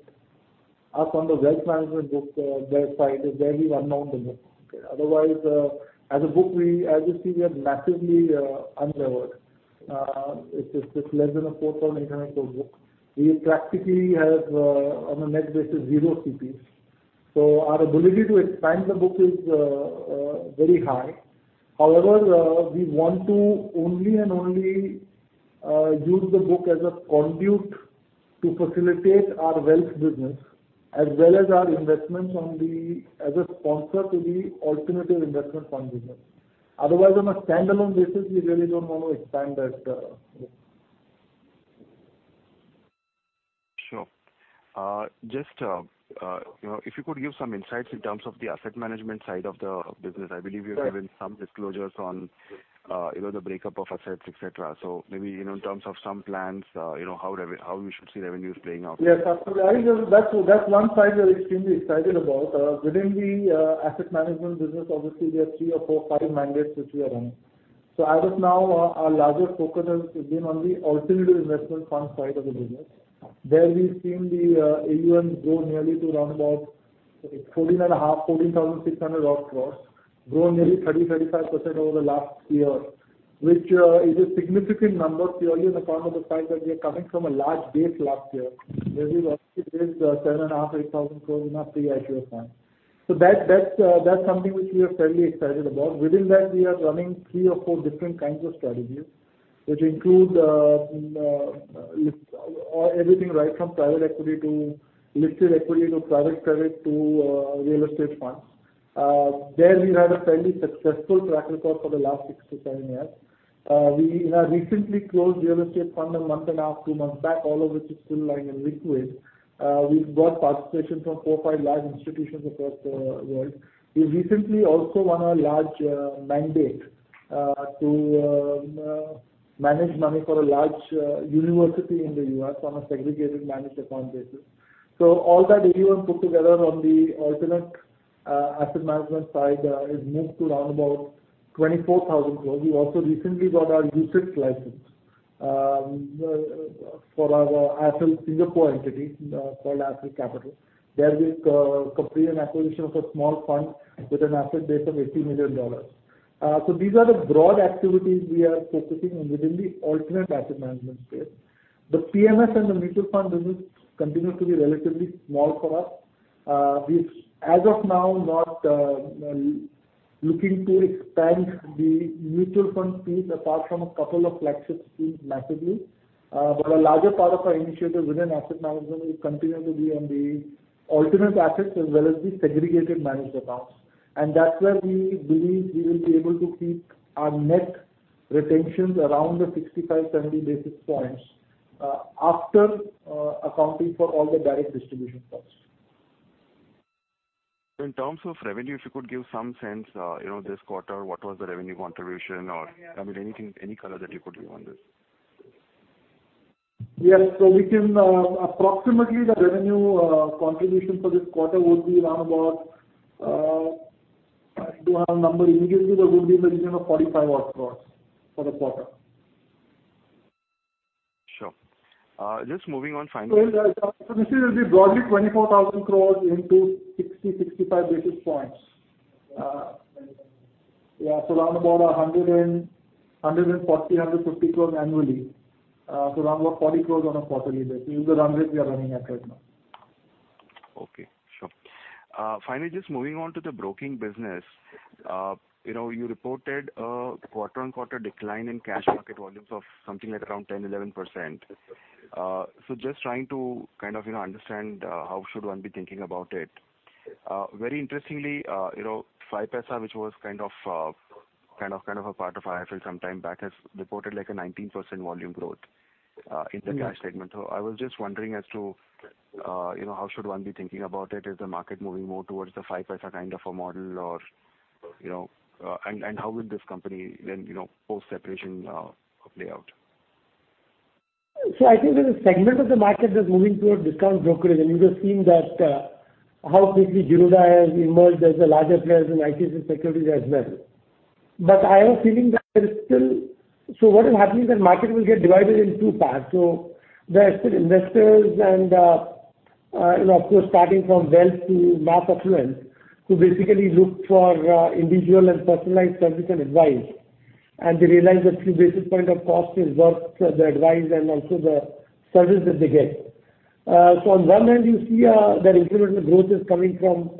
us on the wealth management book side is where we unwound the book. Otherwise, as a book, as you see, we are massively unlevered. It's just less than an 4,900 crore book. We practically have, on a net basis, zero CP. Our ability to expand the book is very high. However, we want to only and only use the book as a conduit to facilitate our wealth business as well as our investments as a sponsor to the alternative investment fund business. Otherwise, on a standalone basis, we really don't want to expand that book. Sure. Just if you could give some insights in terms of the asset management side of the business. I believe you've given some disclosures on the breakup of assets, et cetera. Maybe in terms of some plans, how we should see revenues playing out? Yes, absolutely. That's one side we're extremely excited about. Within the asset management business, obviously, there are three or four, five mandates which we are running. As of now, our largest focus has been on the alternative investment fund side of the business. There we've seen the AUM grow nearly to round about 14,500, 14,600 odd crores grow nearly 30%, 35% over the last year, which is a significant number purely on account of the fact that we are coming from a large base last year where we actually raised INR 7,500, 8,000 crores in our three IFO funds. That's something which we are fairly excited about. Within that, we are running three or four different kinds of strategies, which include everything right from private equity to listed equity to private credit to real estate funds. There we have a fairly successful track record for the last six to seven years. We have recently closed real estate fund a month and a half, two months back, all of which is still lying in liquid. We've got participation from four, five large institutions across the world. We recently also won a large mandate to manage money for a large university in the U.S. on a segregated managed account basis. All that AUM put together on the alternate asset management side has moved to around about 24,000 crores. We also recently got our U6 license for our IIFL Singapore entity called IIFL Capital. There we've completed an acquisition of a small fund with an asset base of $80 million. These are the broad activities we are focusing on within the alternate asset management space. The PMS and the mutual fund business continue to be relatively small for us. We're, as of now, not looking to expand the mutual fund piece apart from a couple of flagship schemes massively. A larger part of our initiative within asset management will continue to be on the alternate assets as well as the segregated managed accounts. That's where we believe we will be able to keep our net retentions around the 65, 70 basis points after accounting for all the direct distribution costs. In terms of revenue, if you could give some sense this quarter, what was the revenue contribution or, I mean, any color that you could give on this? Yes. We can approximately the revenue contribution for this quarter would be around about I don't have the number immediately, but would be in the region of 45 odd crores for the quarter. Sure. Just moving on finally. This will be broadly 24,000 crores into 60-65 basis points. Around about 140 crores-150 crores annually. Around about 40 crores on a quarterly basis with the run rate we are running at right now. Okay, sure. Finally, just moving on to the broking business. You reported a quarter-on-quarter decline in cash market volumes of something like around 10%-11%. Just trying to kind of understand how should one be thinking about it. Very interestingly, 5paisa which was kind of a part of IIFL some time back has reported like a 19% volume growth in the cash segment. I was just wondering as to how should one be thinking about it. Is the market moving more towards the 5paisa kind of a model and how would this company then post-separation play out? I think there's a segment of the market that's moving towards discount brokerage, and you'd have seen that how quickly Zerodha has emerged as a larger player and ICICI Securities as well. What is happening is that market will get divided in two parts. There are still investors and of course starting from wealth to mass affluent, who basically look for individual and personalized service and advice, and they realize that few basis point of cost is worth the advice and also the service that they get. On one hand you see that incremental growth is coming from.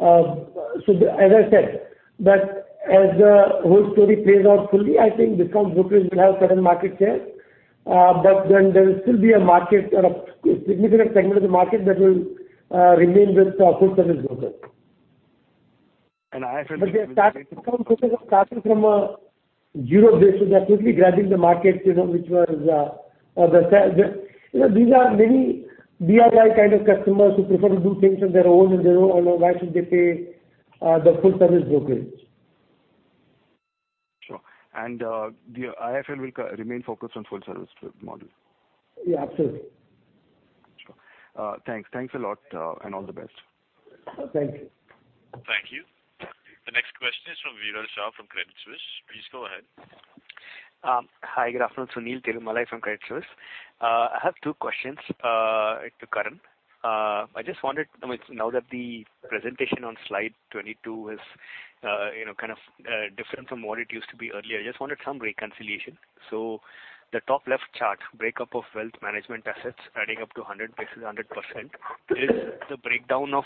As I said that as the whole story plays out fully, I think discount brokerage will have certain market share. There will still be a market or a significant segment of the market that will remain with full service brokers. IIFL- They have started from zero basis. They're quickly grabbing the market. These are very DIY kind of customers who prefer to do things on their own and they don't know why should they pay the full service brokerage. Sure. The IIFL will remain focused on full service model? Yeah, absolutely. Sure. Thanks a lot, and all the best. Thank you. Thank you. The next question is from Viral Shah from Credit Suisse. Please go ahead. Hi. Good afternoon, Sunil. Viral Shah from Credit Suisse. I have two questions to Karan. Now that the presentation on slide 22 is kind of different from what it used to be earlier, I just wanted some reconciliation. The top left chart, breakup of wealth management assets adding up to 100 bases, 100%, is the breakdown of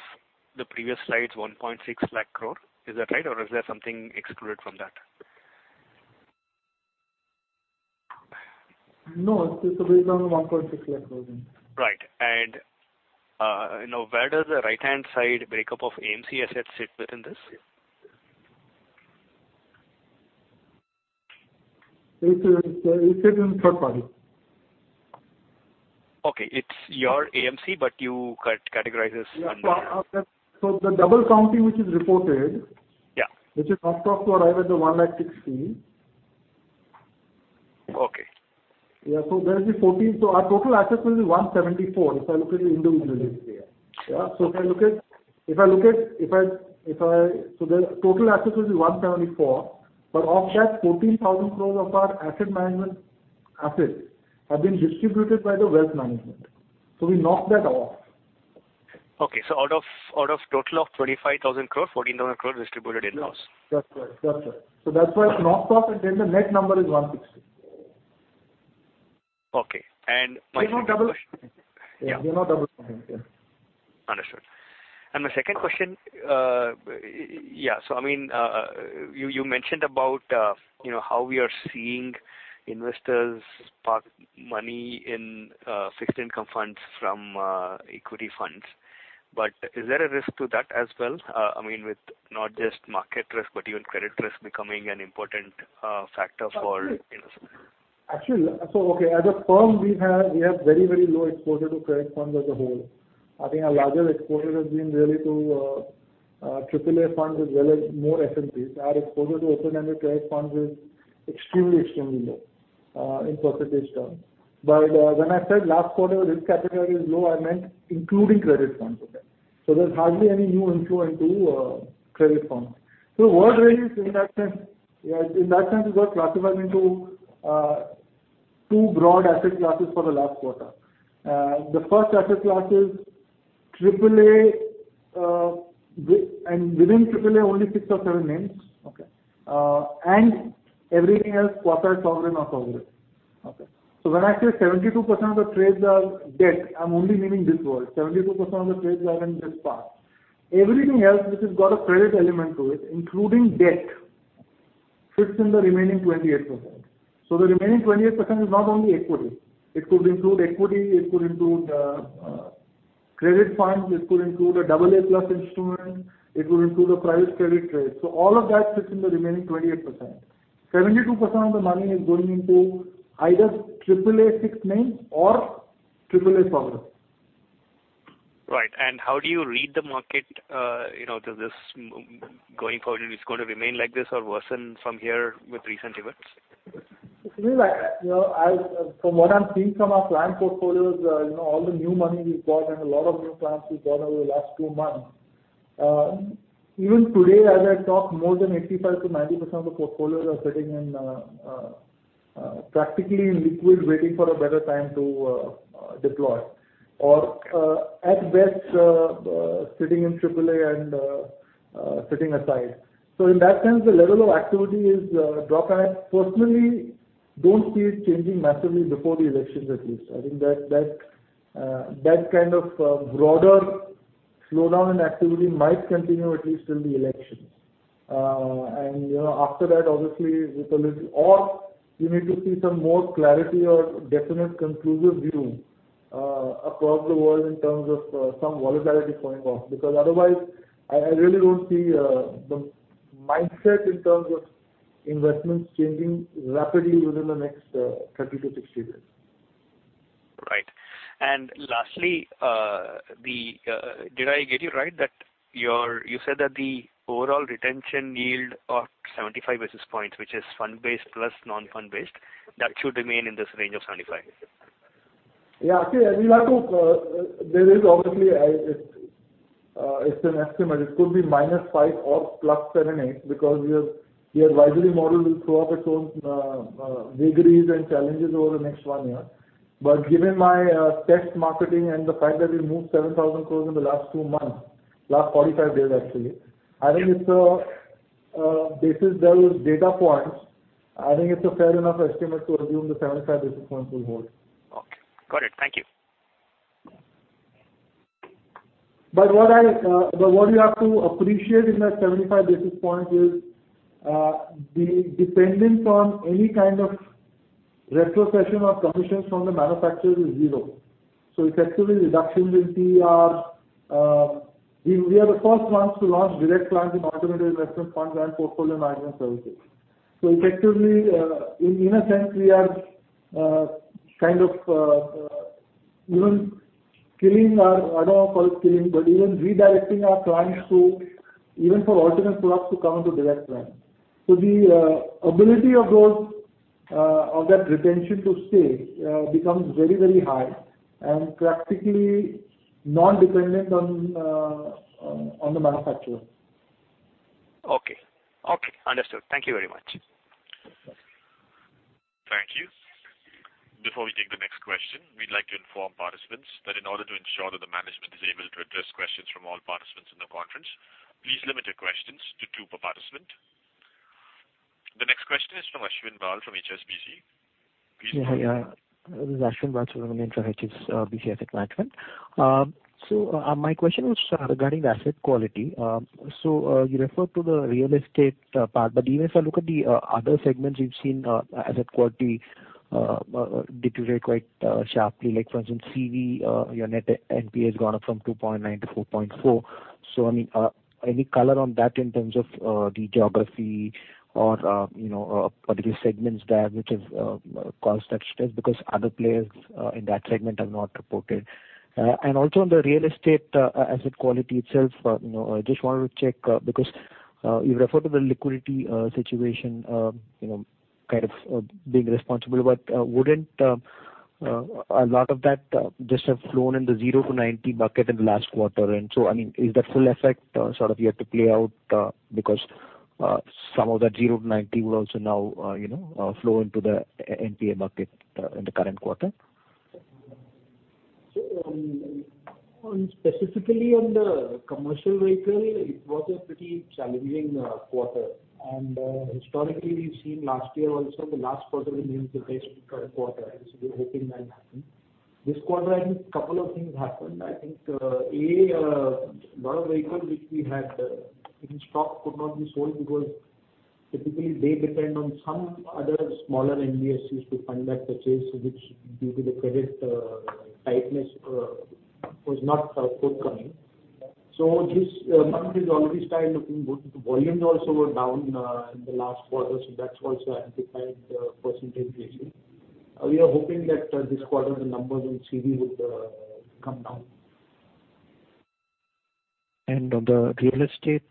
the previous slide's 1.6 lakh crore. Is that right, or is there something excluded from that? No, it's the breakdown of 1.6 lakh crores. Right. Where does the right-hand side breakup of AMC assets sit within this? It sits in third party. Okay. It's your AMC, you categorize this on the- The double counting, which is reported- Yeah which is not taken to arrive at the 160. Okay. Yeah. There is the 14. Our total assets will be 174 if I look at it individually. The total assets will be 174, of that 14,000 crores of our asset management assets have been distributed by the Wealth Management. We knock that off. Out of total of 25,000 crore, 14,000 crore distributed in-house. That's right. That's why it's knocked off, and then the net number is 160. Okay. My second question. They're not double counted. Yeah. They're not double counted. Yeah. Understood. My second question, you mentioned about how we are seeing investors park money in fixed income funds from equity funds. Is there a risk to that as well? With not just market risk, but even credit risk becoming an important factor for investors. Actually, as a firm, we have very low exposure to credit funds as a whole. I think our largest exposure has been really to AAA funds as well as more FMPs. Our exposure to open-ended credit funds is extremely low in percentage terms. When I said last quarter risk appetite is low, I meant including credit funds. There's hardly any new inflow into credit funds. What really is, in that sense, is all classified into two broad asset classes for the last quarter. The first asset class is AAA, and within AAA, only six or seven names, and everything else quasi-sovereign or sovereign. When I say 72% of the trades are debt, I'm only meaning this world. 72% of the trades are in this part. Everything else which has got a credit element to it, including debt, sits in the remaining 28%. The remaining 28% is not only equity. It could include equity, it could include credit funds, it could include a AA+ instrument, it could include a private credit trade. All of that sits in the remaining 28%. 72% of the money is going into either AAA fixed names or AAA sovereign. Right. How do you read the market? Going forward, is it going to remain like this or worsen from here with recent events? From what I'm seeing from our client portfolios, all the new money we've got and a lot of new clients we've got over the last two months, even today, as I talk, more than 85%-90% of the portfolios are sitting practically in liquid, waiting for a better time to deploy, or at best, sitting in AAA and sitting aside. In that sense, the level of activity is drop. I personally don't see it changing massively before the elections, at least. I think that kind of broader slowdown in activity might continue at least till the elections. After that, obviously we need to see some more clarity or definite conclusive view across the world in terms of some volatility going off, because otherwise, I really don't see the mindset in terms of investments changing rapidly within the next 30-60 days. Right. Lastly, did I get you right that you said that the overall retention yield of 75 basis points, which is fund-based plus non-fund-based, that should remain in this range of 75? Yeah. Obviously, it's an estimate. It could be minus five or plus seven, eight, because the advisory model will throw up its own vagaries and challenges over the next one year. Given my test marketing and the fact that we moved 7,000 crore in the last two months, last 45 days actually, based on those data points, I think it's a fair enough estimate to assume the 75 basis points will hold. Okay. Got it. Thank you. What you have to appreciate in that 75 basis points is the dependence on any kind of retrocession or commissions from the manufacturer is zero. It's actually reductions in TER. We are the first ones to launch direct plans in alternative investment funds and portfolio management services. Effectively, in a sense, we are kind of even killing our, I don't want to call it killing, but even redirecting our clients even for alternate products to come into direct plan. The ability of that retention to stay becomes very high and practically non-dependent on the manufacturer. Okay. Understood. Thank you very much. Thank you. Before we take the next question, we'd like to inform participants that in order to ensure that the management is able to address questions from all participants in the conference, please limit your questions to two per participant. The next question is from Ashwin Bal from HSBC. Please go ahead. Hi. This is Ashwin Bal from HSBC Asset Management. My question was regarding asset quality. You referred to the real estate part, but even if I look at the other segments, you've seen asset quality deteriorate quite sharply. Like for instance, CV your net NPA has gone up from 2.9 to 4.4. Any color on that in terms of the geography or particular segments there, which have caused that stress? Because other players in that segment have not reported. Also on the real estate asset quality itself, I just wanted to check because you referred to the liquidity situation kind of being responsible, but wouldn't a lot of that just have flown in the 0 to 90 bucket in the last quarter? Is that full effect sort of yet to play out because some of that 0 to 90 would also now flow into the NPA bucket in the current quarter? Specifically on the commercial vehicle, it was a pretty challenging quarter and historically we've seen last year also the last quarter remains the best quarter and so we're hoping that happens. This quarter, I think a couple of things happened. I think, a) lot of vehicles which we had in stock could not be sold because typically they depend on some other smaller NBFCs to fund that purchase, which due to the credit tightness was not forthcoming. This month is already started looking good. Volumes also were down in the last quarter, so that's also amplified the percentage ratio. We are hoping that this quarter the numbers on CV would come down. On the real estate?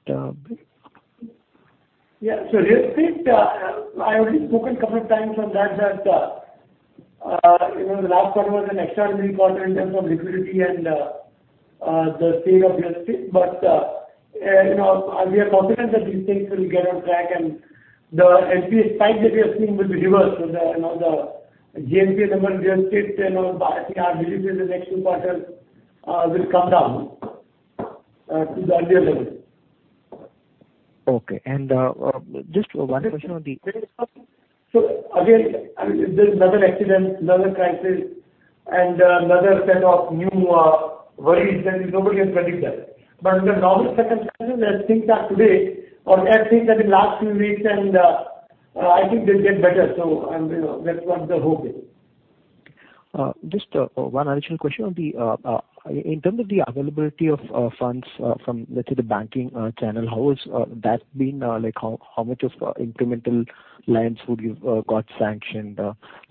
Yeah. Real estate, I have already spoken couple of times on that the last quarter was an extraordinary quarter in terms of liquidity and the state of real estate. We are confident that these things will get on track and the NPA spike that we are seeing will be reversed. The GNPA number on real estate and our belief is in the next two quarters will come down to the earlier level. Okay. Just one question on the. Again, there's another accident, another crisis and another set of new worries that nobody can predict that. Under normal circumstances as things are today or as things are in last few weeks and I think they'll get better. That's what the hope is. Just one additional question on the, in terms of the availability of funds from, let's say the banking channel, how has that been? How much of incremental lines would you got sanctioned,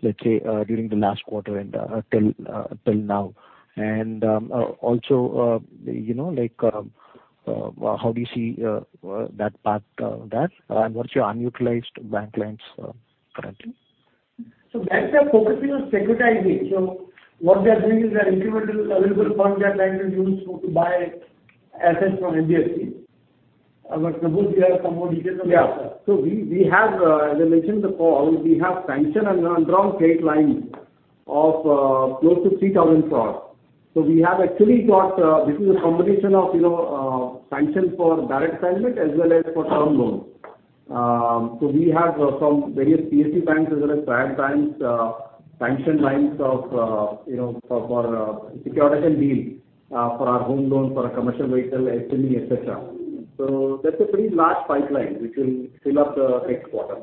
let's say during the last quarter till now? Also how do you see that part there and what's your unutilized bank lines currently? Banks are focusing on securitizing. What they are doing is they are incremental available funds they are trying to use to buy assets from NBFC. Prabodh you have some more details on that. As I mentioned in the call we have sanctioned and undrawn state lines of close to 3,000. This is a combination of sanction for direct placement as well as for term loans. We have from various PSU banks as well as private banks sanctioned lines for securitization deal for our home loans, for our commercial vehicle, SME, et cetera. That's a pretty large pipeline which will fill up the next quarter.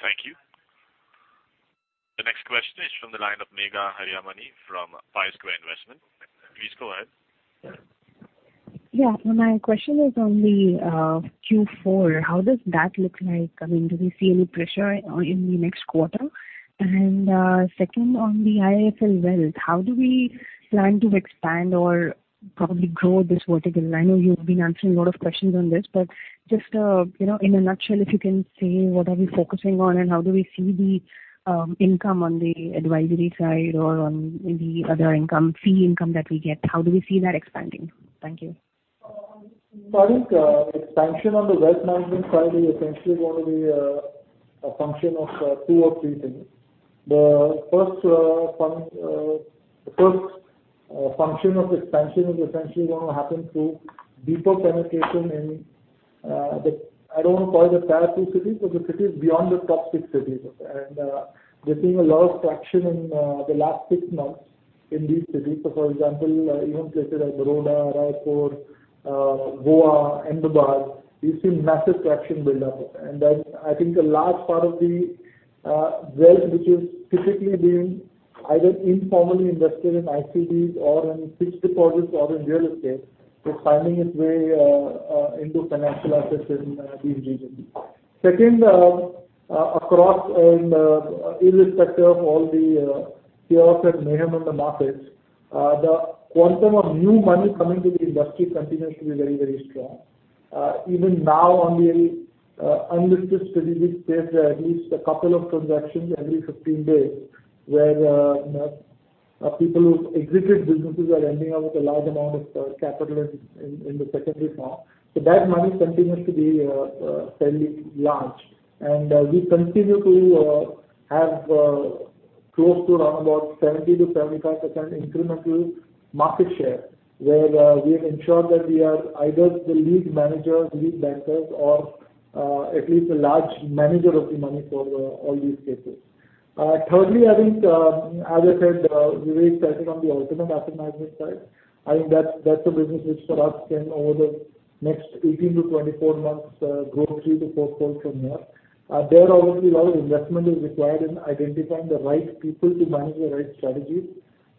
Thank you. The next question is from the line of Megha Hariramani from Pi Square Investments. Please go ahead. My question is on the Q4. How does that look like? Do we see any pressure in the next quarter? Second on the IIFL Wealth, how do we plan to expand or probably grow this vertical? I know you've been answering a lot of questions on this, but just in a nutshell if you can say what are we focusing on and how do we see the income on the advisory side or on the other income, fee income that we get? How do we see that expanding? Thank you. I think expansion on the wealth management side is essentially going to be a function of two or three things. The first function of expansion is essentially going to happen through deeper penetration in, I don't want to call it the tier 2 cities, but the cities beyond the top six cities. We're seeing a lot of traction in the last six months in these cities. For example, even places like Baroda, Raipur, Goa, Ahmedabad, we've seen massive traction build up. That I think a large part of the wealth which is typically being either informally invested in ICDs or in fixed deposits or in real estate, is finding its way into financial assets in these regions. Second, across and irrespective of all the chaos and mayhem in the markets, the quantum of new money coming to the industry continues to be very strong. Even now, on the unlisted equity, we place at least a couple of transactions every 15 days, where people who've exited businesses are ending up with a large amount of capital in the secondary form. That money continues to be fairly large, and we continue to have close to around about 70%-75% incremental market share, where we have ensured that we are either the lead manager, lead bankers or at least a large manager of the money for all these cases. Thirdly, as I said, we're very excited on the alternate asset management side. I think that's a business which for us can, over the next 18-24 months, grow three to fourfold from here. There obviously a lot of investment is required in identifying the right people to manage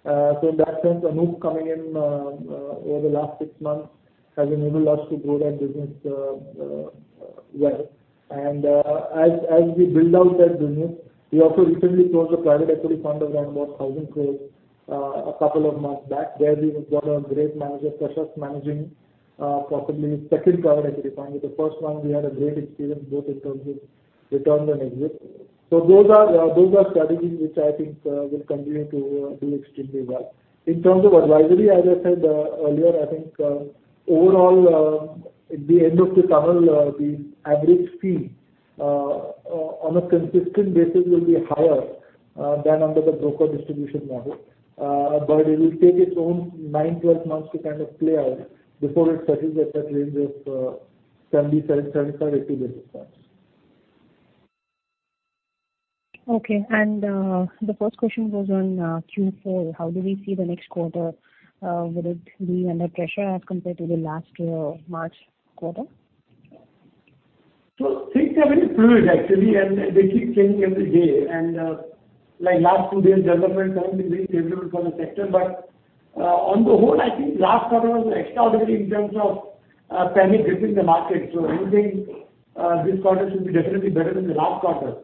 the right strategies. In that sense, Anup coming in over the last six months has enabled us to build our business well. As we build out that business, we also recently closed a private equity fund of around about 1,000 crores a couple of months back. There we've got a great manager, Prashant, managing possibly his second private equity fund. With the first one, we had a great experience, both in terms of returns and exit. Those are strategies which I think will continue to do extremely well. In terms of advisory, as I said earlier, I think overall at the end of this funnel, the average fee on a consistent basis will be higher than under the broker distribution model. It will take its own nine, 12 months to kind of play out before it settles at that range of 77, 75, 80 basis points. Okay. The fourth question was on Q4. How do we see the next quarter? Will it be under pressure as compared to the last March quarter? Things are very fluid actually, and they keep changing every day. Like last two days, development hasn't been very favorable for the sector. On the whole, I think last quarter was extraordinary in terms of panic gripping the market. I would think this quarter should be definitely better than the last quarter.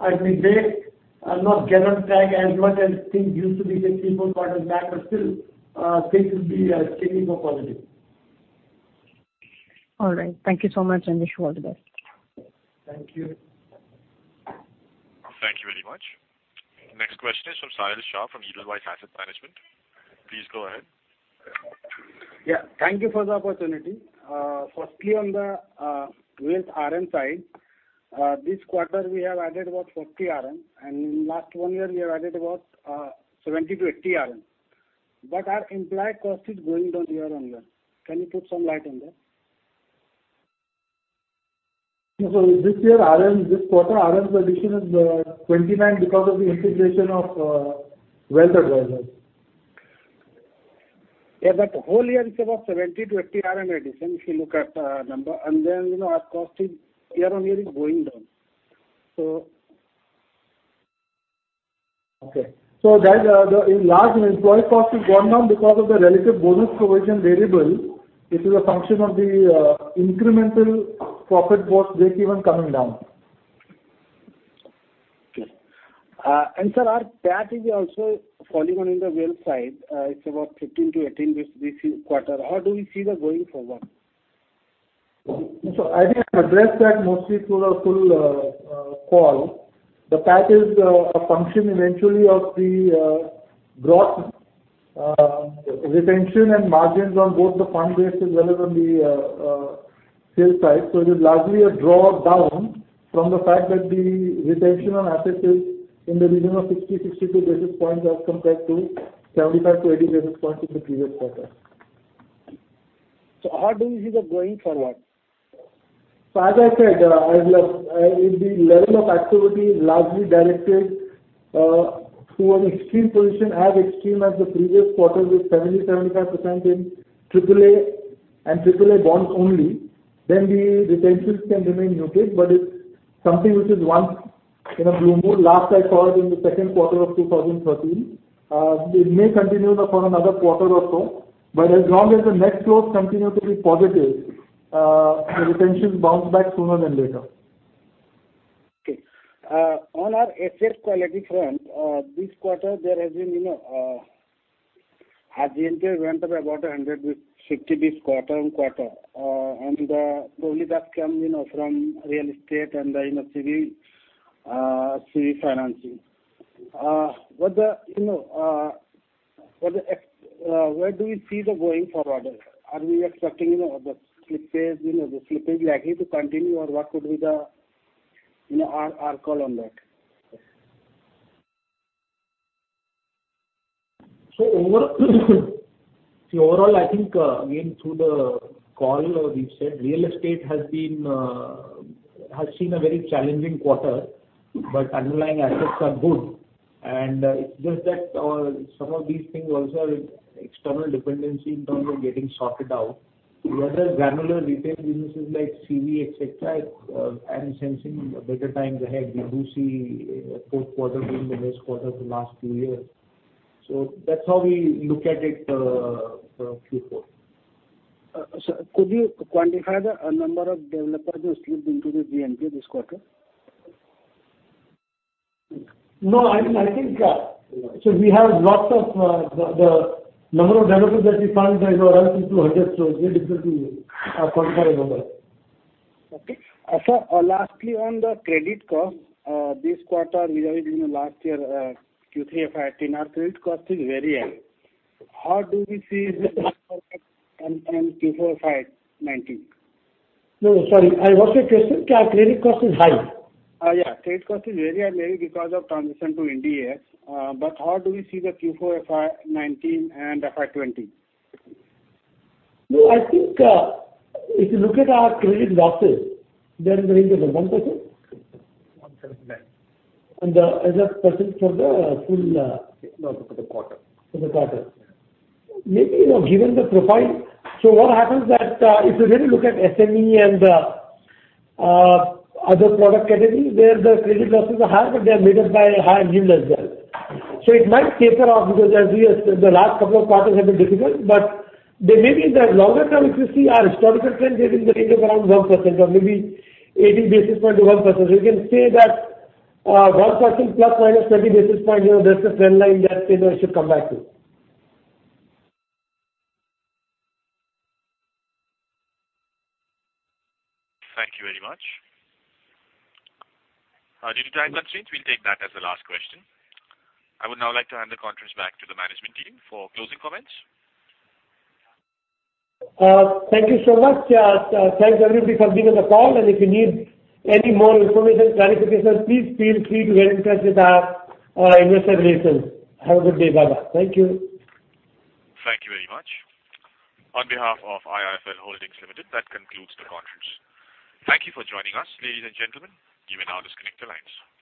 It may not get on track as much as things used to be six, four quarters back, but still things will be slightly more positive. All right. Thank you so much and wish you all the best. Thank you. Thank you very much. Next question is from Sahil Shah from Edelweiss Asset Management. Please go ahead. Thank you for the opportunity. Firstly, on the wealth RM side. This quarter, we have added about 40 RM, and in last one year, we have added about 70 to 80 RM. Our implied cost is going down year- on year. Can you put some light on that? This quarter, RM's addition is 29 because of the integration of wealth advisors. Yeah, whole year it's about 70 to 80 RM addition, if you look at the number. Our cost is year- on -year is going down. Okay. That large implied cost has gone down because of the relative bonus provision variable. It is a function of the incremental profit post breakeven coming down. Sir, our PAT is also falling on the wealth side. It is about 15-18 this quarter. How do we see that going forward? I think I've addressed that mostly through the full call. The PAT is a function eventually of the gross retention and margins on both the fund-based as well as on the sales side. It is largely a draw down from the fact that the retention on assets is in the region of 60, 62 basis points as compared to 75-80 basis points in the previous quarter. How do you see that going forward? As I said, if the level of activity is largely directed to an extreme position, as extreme as the previous quarter with 70%-75% in AAA and AAA bonds only, then the retentions can remain muted. It's something which is once in a blue moon. Last I saw it in the second quarter of 2013. It may continue for another quarter or so, as long as the net flows continue to be positive, the retentions bounce back sooner than later. Okay. On our asset quality front, this quarter there has been a GNPA went up about 150 basis quarter-on-quarter. Probably that's come from real estate and the CV financing. Where do we see that going forward? Are we expecting the slippage likely to continue, or what could be the Our call on that. Overall, I think again through the call or we've said real estate has seen a very challenging quarter, but underlying assets are good and it's just that some of these things also have external dependency in terms of getting sorted out. The other granular retail businesses like CV, et cetera, I'm sensing better times ahead. We do see fourth quarter being the best quarter for the last two years. That's how we look at it for Q4. Sir, could you quantify the number of developers who slipped into the GNPAs this quarter? No. We have lots of the number of developers that default is around few hundred. It is difficult to quantify numbers. Okay. Sir, lastly, on the credit cost. This quarter compared to last year, Q3 FY 2018, our credit cost is very high. How do we see this in Q4 FY 2019? Sorry. What's your question? Our credit cost is high. Yeah. Credit cost is very high, mainly because of transition to IND AS. How do we see the Q4 FY 2019 and FY 2020? I think if you look at our credit losses, they are in the range of 1%. 1%. Is that percentage for the full-? No, for the quarter. For the quarter. Yeah. Maybe, given the profile. What happens that if you really look at SME and other product categories, there the credit losses are higher, but they are made up by higher yield as well. It might taper off because the last couple of quarters have been difficult, but they may be in the longer- term, if you see our historical trend, they've been in the range of around 1% or maybe 80 basis points to 1%. You can say that 1% ± 20 basis points, there's a trend line that it should come back to. Thank you very much. Due to time constraints, we'll take that as the last question. I would now like to hand the conference back to the management team for closing comments. Thank you so much. Thanks everybody for being on the call, and if you need any more information, clarification, please feel free to get in touch with our investor relations. Have a good day. Bye-bye. Thank you. Thank you very much. On behalf of IIFL Holdings Limited, that concludes the conference. Thank you for joining us, ladies and gentlemen. You may now disconnect the lines.